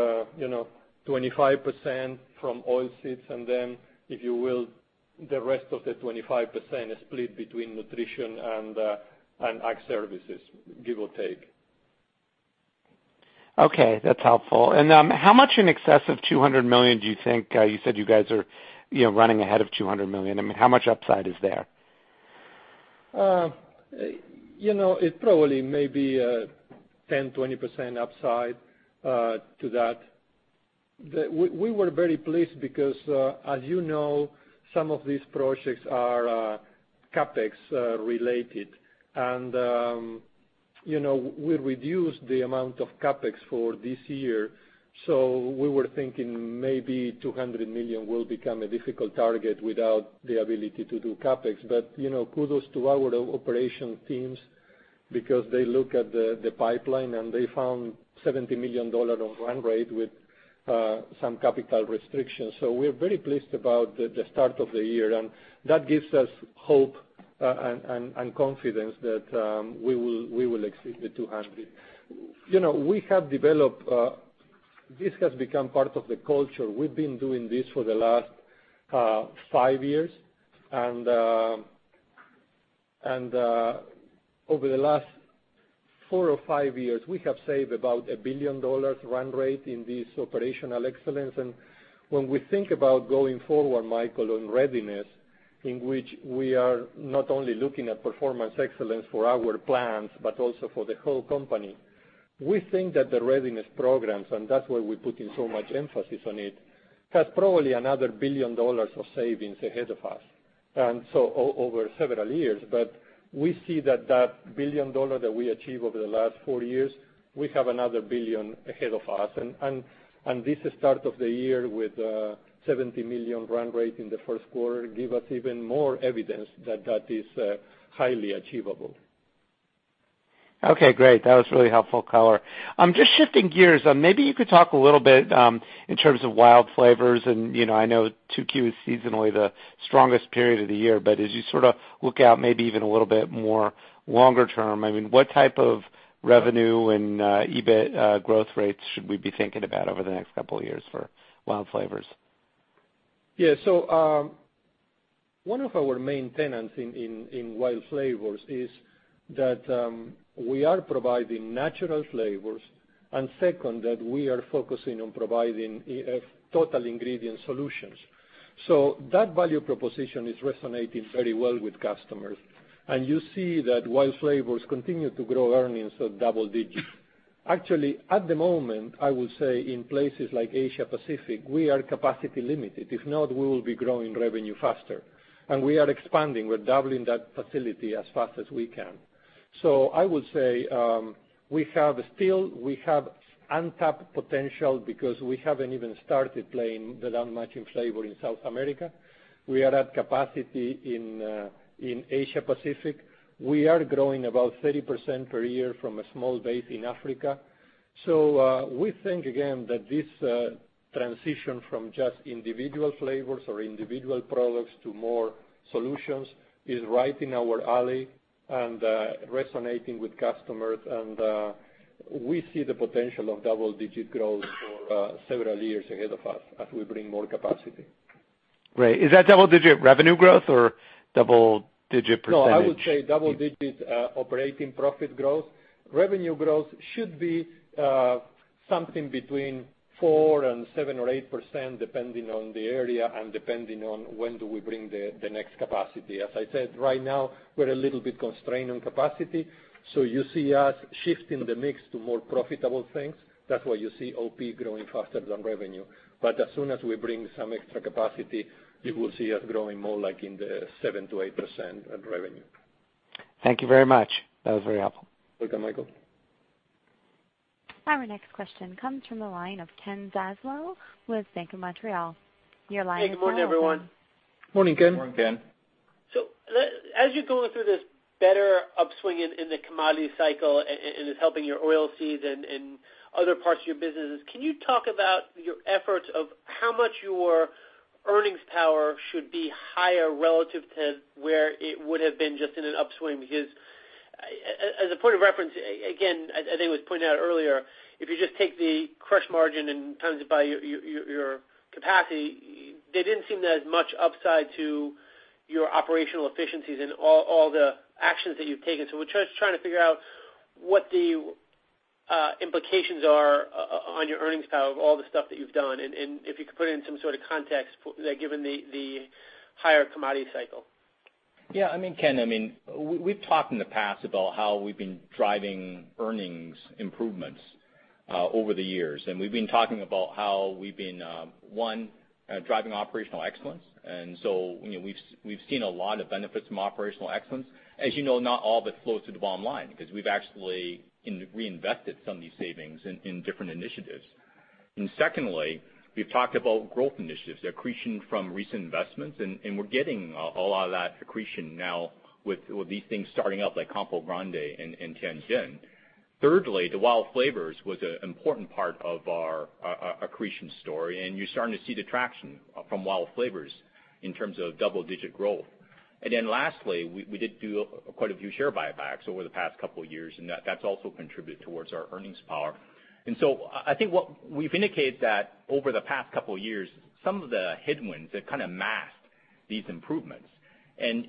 25% from oilseeds. Then, if you will, the rest of the 25% is split between nutrition and ag services, give or take. That's helpful. How much in excess of $200 million do you think? You said you guys are running ahead of $200 million. How much upside is there? It probably may be 10%-20% upside to that. We were very pleased because, as you know, some of these projects are CapEx related, and we reduced the amount of CapEx for this year. We were thinking maybe $200 million will become a difficult target without the ability to do CapEx. Kudos to our operation teams because they look at the pipeline, and they found $70 million of run rate with some capital restrictions. We're very pleased about the start of the year, and that gives us hope and confidence that we will exceed the $200 million. This has become part of the culture. We've been doing this for the last 5 years. Over the last 4 or 5 years, we have saved about a $1 billion run rate in this operational excellence. When we think about going forward, Michael, on Readiness, in which we are not only looking at performance excellence for our plants, but also for the whole company. We think that the Readiness programs, and that's why we're putting so much emphasis on it, has probably another $1 billion of savings ahead of us. Over several years. We see that $1 billion that we achieved over the last 4 years, we have another $1 billion ahead of us. This start of the year with $70 million run rate in the first quarter give us even more evidence that is highly achievable. Okay, great. That was really helpful color. Just shifting gears, maybe you could talk a little bit in terms of WILD Flavors. I know 2Q is seasonally the strongest period of the year, as you sort of look out maybe even a little bit more longer term, what type of revenue and EBIT growth rates should we be thinking about over the next couple of years for WILD Flavors? Yeah. One of our main tenants in WILD Flavors is that we are providing natural flavors, second, that we are focusing on providing total ingredient solutions. That value proposition is resonating very well with customers. You see that WILD Flavors continue to grow earnings of double digits. Actually, at the moment, I would say in places like Asia Pacific, we are capacity limited. If not, we will be growing revenue faster. We are expanding. We're doubling that facility as fast as we can. I would say, we have untapped potential because we haven't even started playing the down matching flavor in South America. We are at capacity in Asia Pacific. We are growing about 30% per year from a small base in Africa. We think, again, that this transition from just individual flavors or individual products to more solutions is right in our alley and resonating with customers and we see the potential of double-digit growth for several years ahead of us as we bring more capacity. Great. Is that double-digit revenue growth or double-digit percentage? No, I would say double digits operating profit growth. Revenue growth should be something between 4% and 7% or 8%, depending on the area and depending on when do we bring the next capacity. As I said, right now, we're a little bit constrained on capacity, you see us shifting the mix to more profitable things. That's why you see OP growing faster than revenue. As soon as we bring some extra capacity, you will see us growing more like in the 7% to 8% revenue. Thank you very much. That was very helpful. Welcome, Michael. Our next question comes from the line of Kenneth Zaslow with Bank of Montreal. Your line is now open. Hey, good morning, everyone. Morning, Ken. Morning, Ken. As you're going through this better upswing in the commodity cycle and it's helping your Oilseeds and other parts of your businesses, can you talk about your efforts of how much your earnings power should be higher relative to where it would have been just in an upswing? Because as a point of reference, again, as I think it was pointed out earlier, if you just take the crush margin and times it by your capacity, there didn't seem that as much upside to your operational efficiencies and all the actions that you've taken. We're just trying to figure out what the implications are on your earnings power of all the stuff that you've done, and if you could put it in some sort of context given the higher commodity cycle. Yeah, Ken, we've talked in the past about how we've been driving earnings improvements over the years. We've been talking about how we've been, one, driving operational excellence. We've seen a lot of benefits from operational excellence. As you know, not all of it flows to the bottom line, because we've actually reinvested some of these savings in different initiatives. Secondly, we've talked about growth initiatives, the accretion from recent investments, and we're getting a lot of that accretion now with these things starting up, like Campo Grande and Tianjin. Thirdly, the WILD Flavors was an important part of our accretion story, and you're starting to see the traction from WILD Flavors in terms of double-digit growth. Lastly, we did do quite a few share buybacks over the past couple of years, and that's also contributed towards our earnings power. I think what we've indicated that over the past couple of years, some of the headwinds have kind of masked these improvements. Trying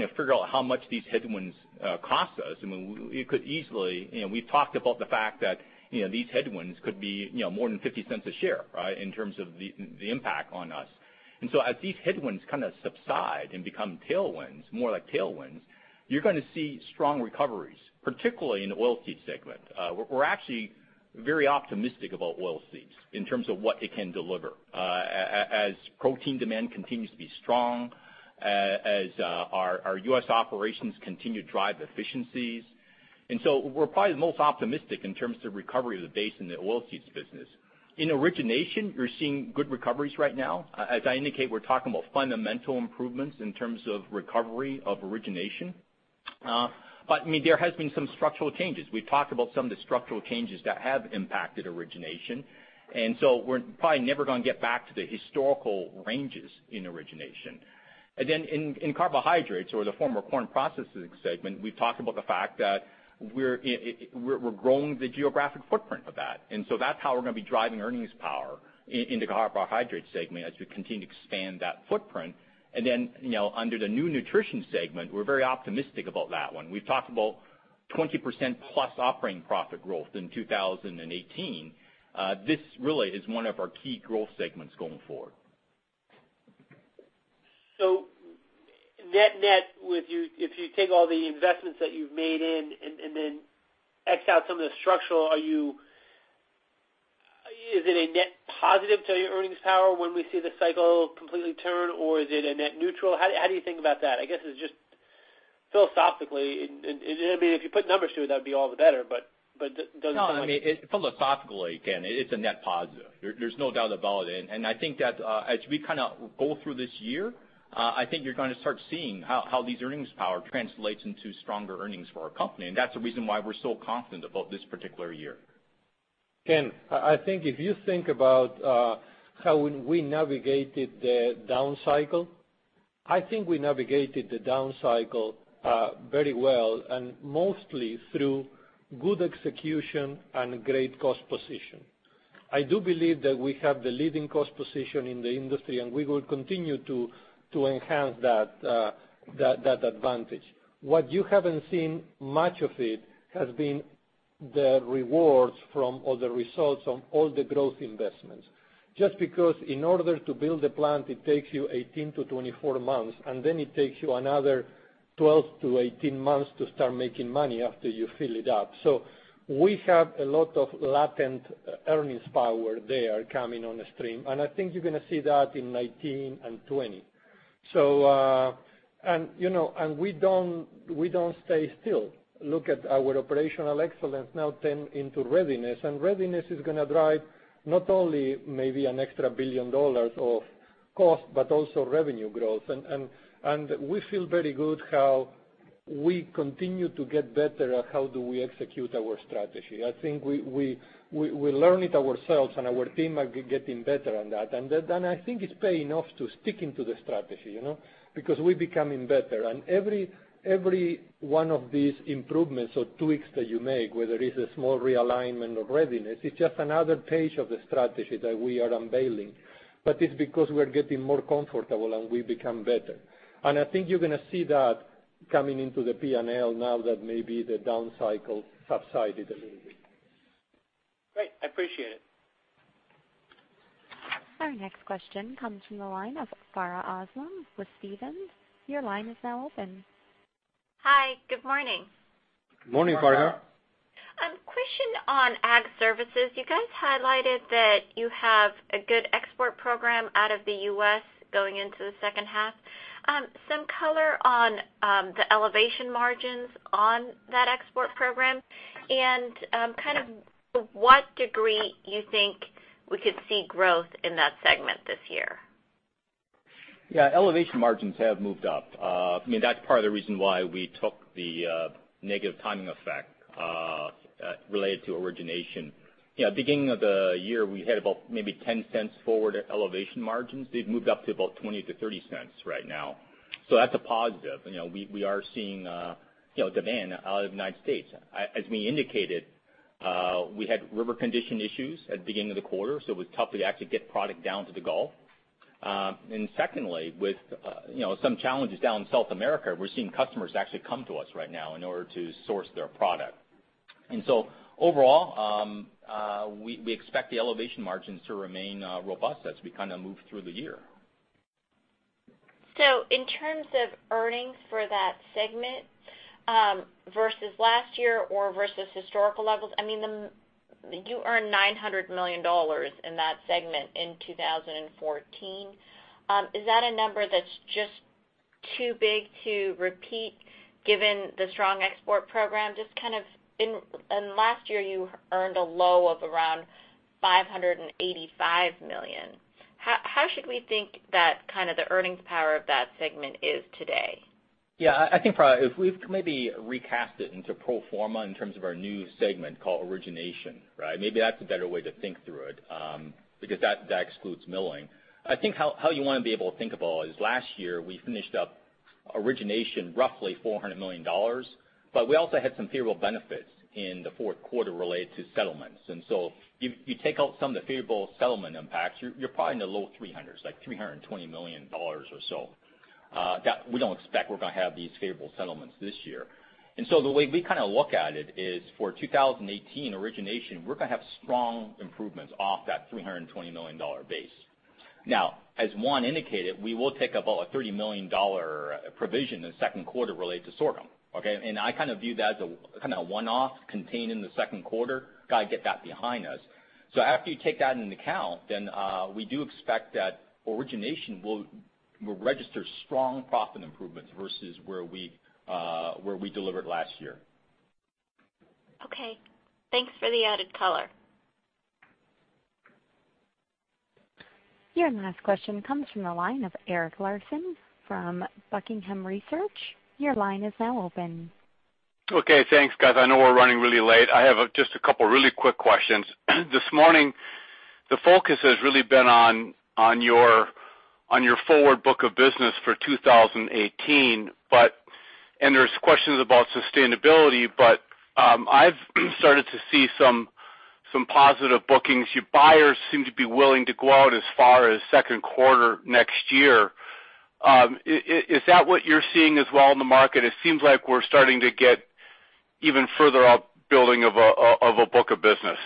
to figure out how much these headwinds cost us, we've talked about the fact that these headwinds could be more than $0.50 a share, right, in terms of the impact on us. As these headwinds kind of subside and become more like tailwinds, you're going to see strong recoveries, particularly in the oil seed segment. We're actually very optimistic about Oilseeds in terms of what it can deliver, as protein demand continues to be strong, as our U.S. operations continue to drive efficiencies. We're probably the most optimistic in terms of recovery of the base in the Oilseeds business. In origination, we're seeing good recoveries right now. As I indicate, we're talking about fundamental improvements in terms of recovery of origination. There have been some structural changes. We've talked about some of the structural changes that have impacted origination. We're probably never going to get back to the historical ranges in origination. In carbohydrates or the former corn processing segment, we've talked about the fact that we're growing the geographic footprint of that. That's how we're going to be driving earnings power in the carbohydrate segment as we continue to expand that footprint. Under the new Nutrition segment, we're very optimistic about that one. We've talked about 20%+ operating profit growth in 2018. This really is one of our key growth segments going forward. Net net, if you take all the investments that you've made in and then X out some of the structural, is it a net positive to your earnings power when we see the cycle completely turn, or is it a net neutral? How do you think about that? I guess it's just philosophically, if you put numbers to it, that'd be all the better, but does it seem like? No, philosophically, Ken, it's a net positive. There's no doubt about it. I think that as we kind of go through this year, I think you're going to start seeing how these earnings power translates into stronger earnings for our company. That's the reason why we're so confident about this particular year. Ken, I think if you think about how we navigated the down cycle, I think we navigated the down cycle very well and mostly through good execution and great cost position. I do believe that we have the leading cost position in the industry, and we will continue to enhance that advantage. What you haven't seen much of it has been the rewards from all the growth investments. Because in order to build a plant, it takes you 18 to 24 months, and then it takes you another 12 to 18 months to start making money after you fill it up. We have a lot of latent earnings power there coming on the stream, and I think you're going to see that in 2019 and 2020. We don't stay still. Look at our operational excellence now turn into Readiness is going to drive not only maybe an extra $1 billion of cost, but also revenue growth. We feel very good how we continue to get better at how do we execute our strategy. I think we learn it ourselves, and our team are getting better on that. I think it's paying off to sticking to the strategy, because we're becoming better. Every one of these improvements or tweaks that you make, whether it's a small realignment or Readiness, it's just another page of the strategy that we are unveiling. It's because we are getting more comfortable, and we become better. I think you're going to see that coming into the P&L now that maybe the down cycle subsided a little bit. Great. I appreciate it. Our next question comes from the line of Farha Aslam with Stephens. Your line is now open. Hi. Good morning. Morning, Farha. Question on Ag services. You guys highlighted that you have a good export program out of the U.S. going into the second half. Some color on the elevation margins on that export program and to what degree you think we could see growth in that segment this year? Yeah. Elevation margins have moved up. That's part of the reason why we took the negative timing effect related to origination. Beginning of the year, we had about maybe $0.10 forward elevation margins. They've moved up to about $0.20-$0.30 right now. That's a positive. We are seeing demand out of the United States. As we indicated, we had river condition issues at the beginning of the quarter, so it was tough to actually get product down to the Gulf. Secondly, with some challenges down in South America, we're seeing customers actually come to us right now in order to source their product. Overall, we expect the elevation margins to remain robust as we move through the year. In terms of earnings for that segment versus last year or versus historical levels, you earned $900 million in that segment in 2014. Is that a number that's just too big to repeat given the strong export program? Last year, you earned a low of around $585 million. How should we think that the earnings power of that segment is today? I think, Farha, if we've maybe recast it into pro forma in terms of our new segment called Origination, right? Maybe that's a better way to think through it, because that excludes milling. I think how you want to be able to think about it is last year, we finished up Origination roughly $400 million, but we also had some favorable benefits in the fourth quarter related to settlements. You take out some of the favorable settlement impacts, you're probably in the low 300s, like $320 million or so. We don't expect we're going to have these favorable settlements this year. The way we look at it is for 2018 Origination, we're going to have strong improvements off that $320 million base. As Juan indicated, we will take about a $30 million provision in the second quarter related to sorghum. Okay? I view that as a one-off contained in the second quarter. Got to get that behind us. After you take that into account, we do expect that Origination will register strong profit improvements versus where we delivered last year. Okay. Thanks for the added color. Your last question comes from the line of Eric Larson from The Buckingham Research Group. Your line is now open. Okay, thanks, guys. I know we're running really late. I have just a couple of really quick questions. This morning, the focus has really been on your forward book of business for 2018, and there's questions about sustainability, but I've started to see some positive bookings. Your buyers seem to be willing to go out as far as second quarter next year. Is that what you're seeing as well in the market? It seems like we're starting to get even further out building of a book of business.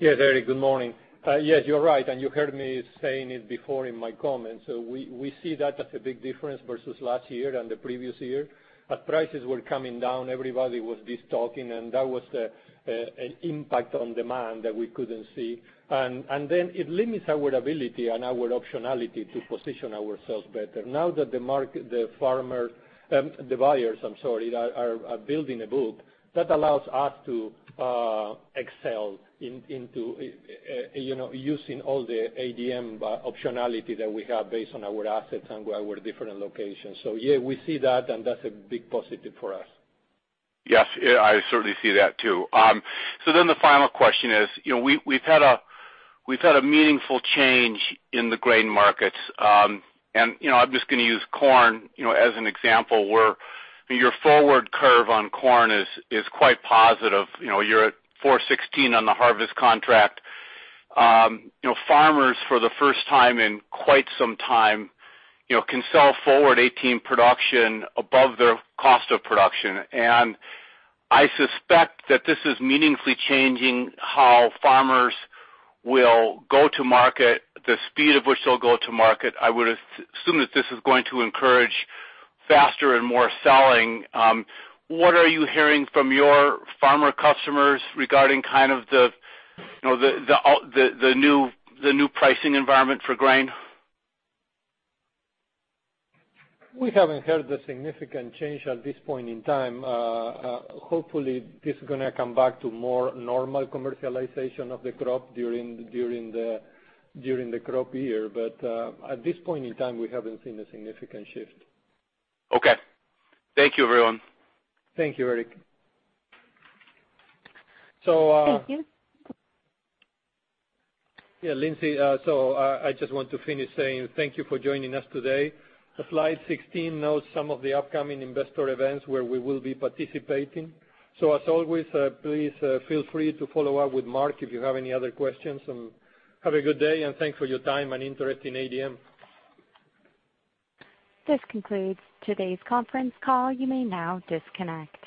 Yes, Eric. Good morning. Yes, you're right, and you heard me saying it before in my comments. We see that as a big difference versus last year and the previous year. As prices were coming down, everybody was just talking, and that was an impact on demand that we couldn't see. Then it limits our ability and our optionality to position ourselves better. Now that the buyers are building a book, that allows us to excel into using all the ADM optionality that we have based on our assets and our different locations. Yeah, we see that, and that's a big positive for us. Yes. I certainly see that, too. The final question is, we've had a meaningful change in the grain markets. I'm just going to use corn as an example, where your forward curve on corn is quite positive. You're at $4.16 on the harvest contract. Farmers for the first time in quite some time can sell forward 2018 production above their cost of production. I suspect that this is meaningfully changing how farmers will go to market, the speed at which they'll go to market. I would assume that this is going to encourage faster and more selling. What are you hearing from your farmer customers regarding the new pricing environment for grain? We haven't heard a significant change at this point in time. Hopefully, this is going to come back to more normal commercialization of the crop during the crop year. At this point in time, we haven't seen a significant shift. Okay. Thank you, everyone. Thank you, Eric. Thank you. Yeah, Lindsay. I just want to finish saying thank you for joining us today. Slide 16 notes some of the upcoming investor events where we will be participating. As always, please feel free to follow up with Mark if you have any other questions, and have a good day, and thanks for your time and interest in ADM. This concludes today's conference call. You may now disconnect.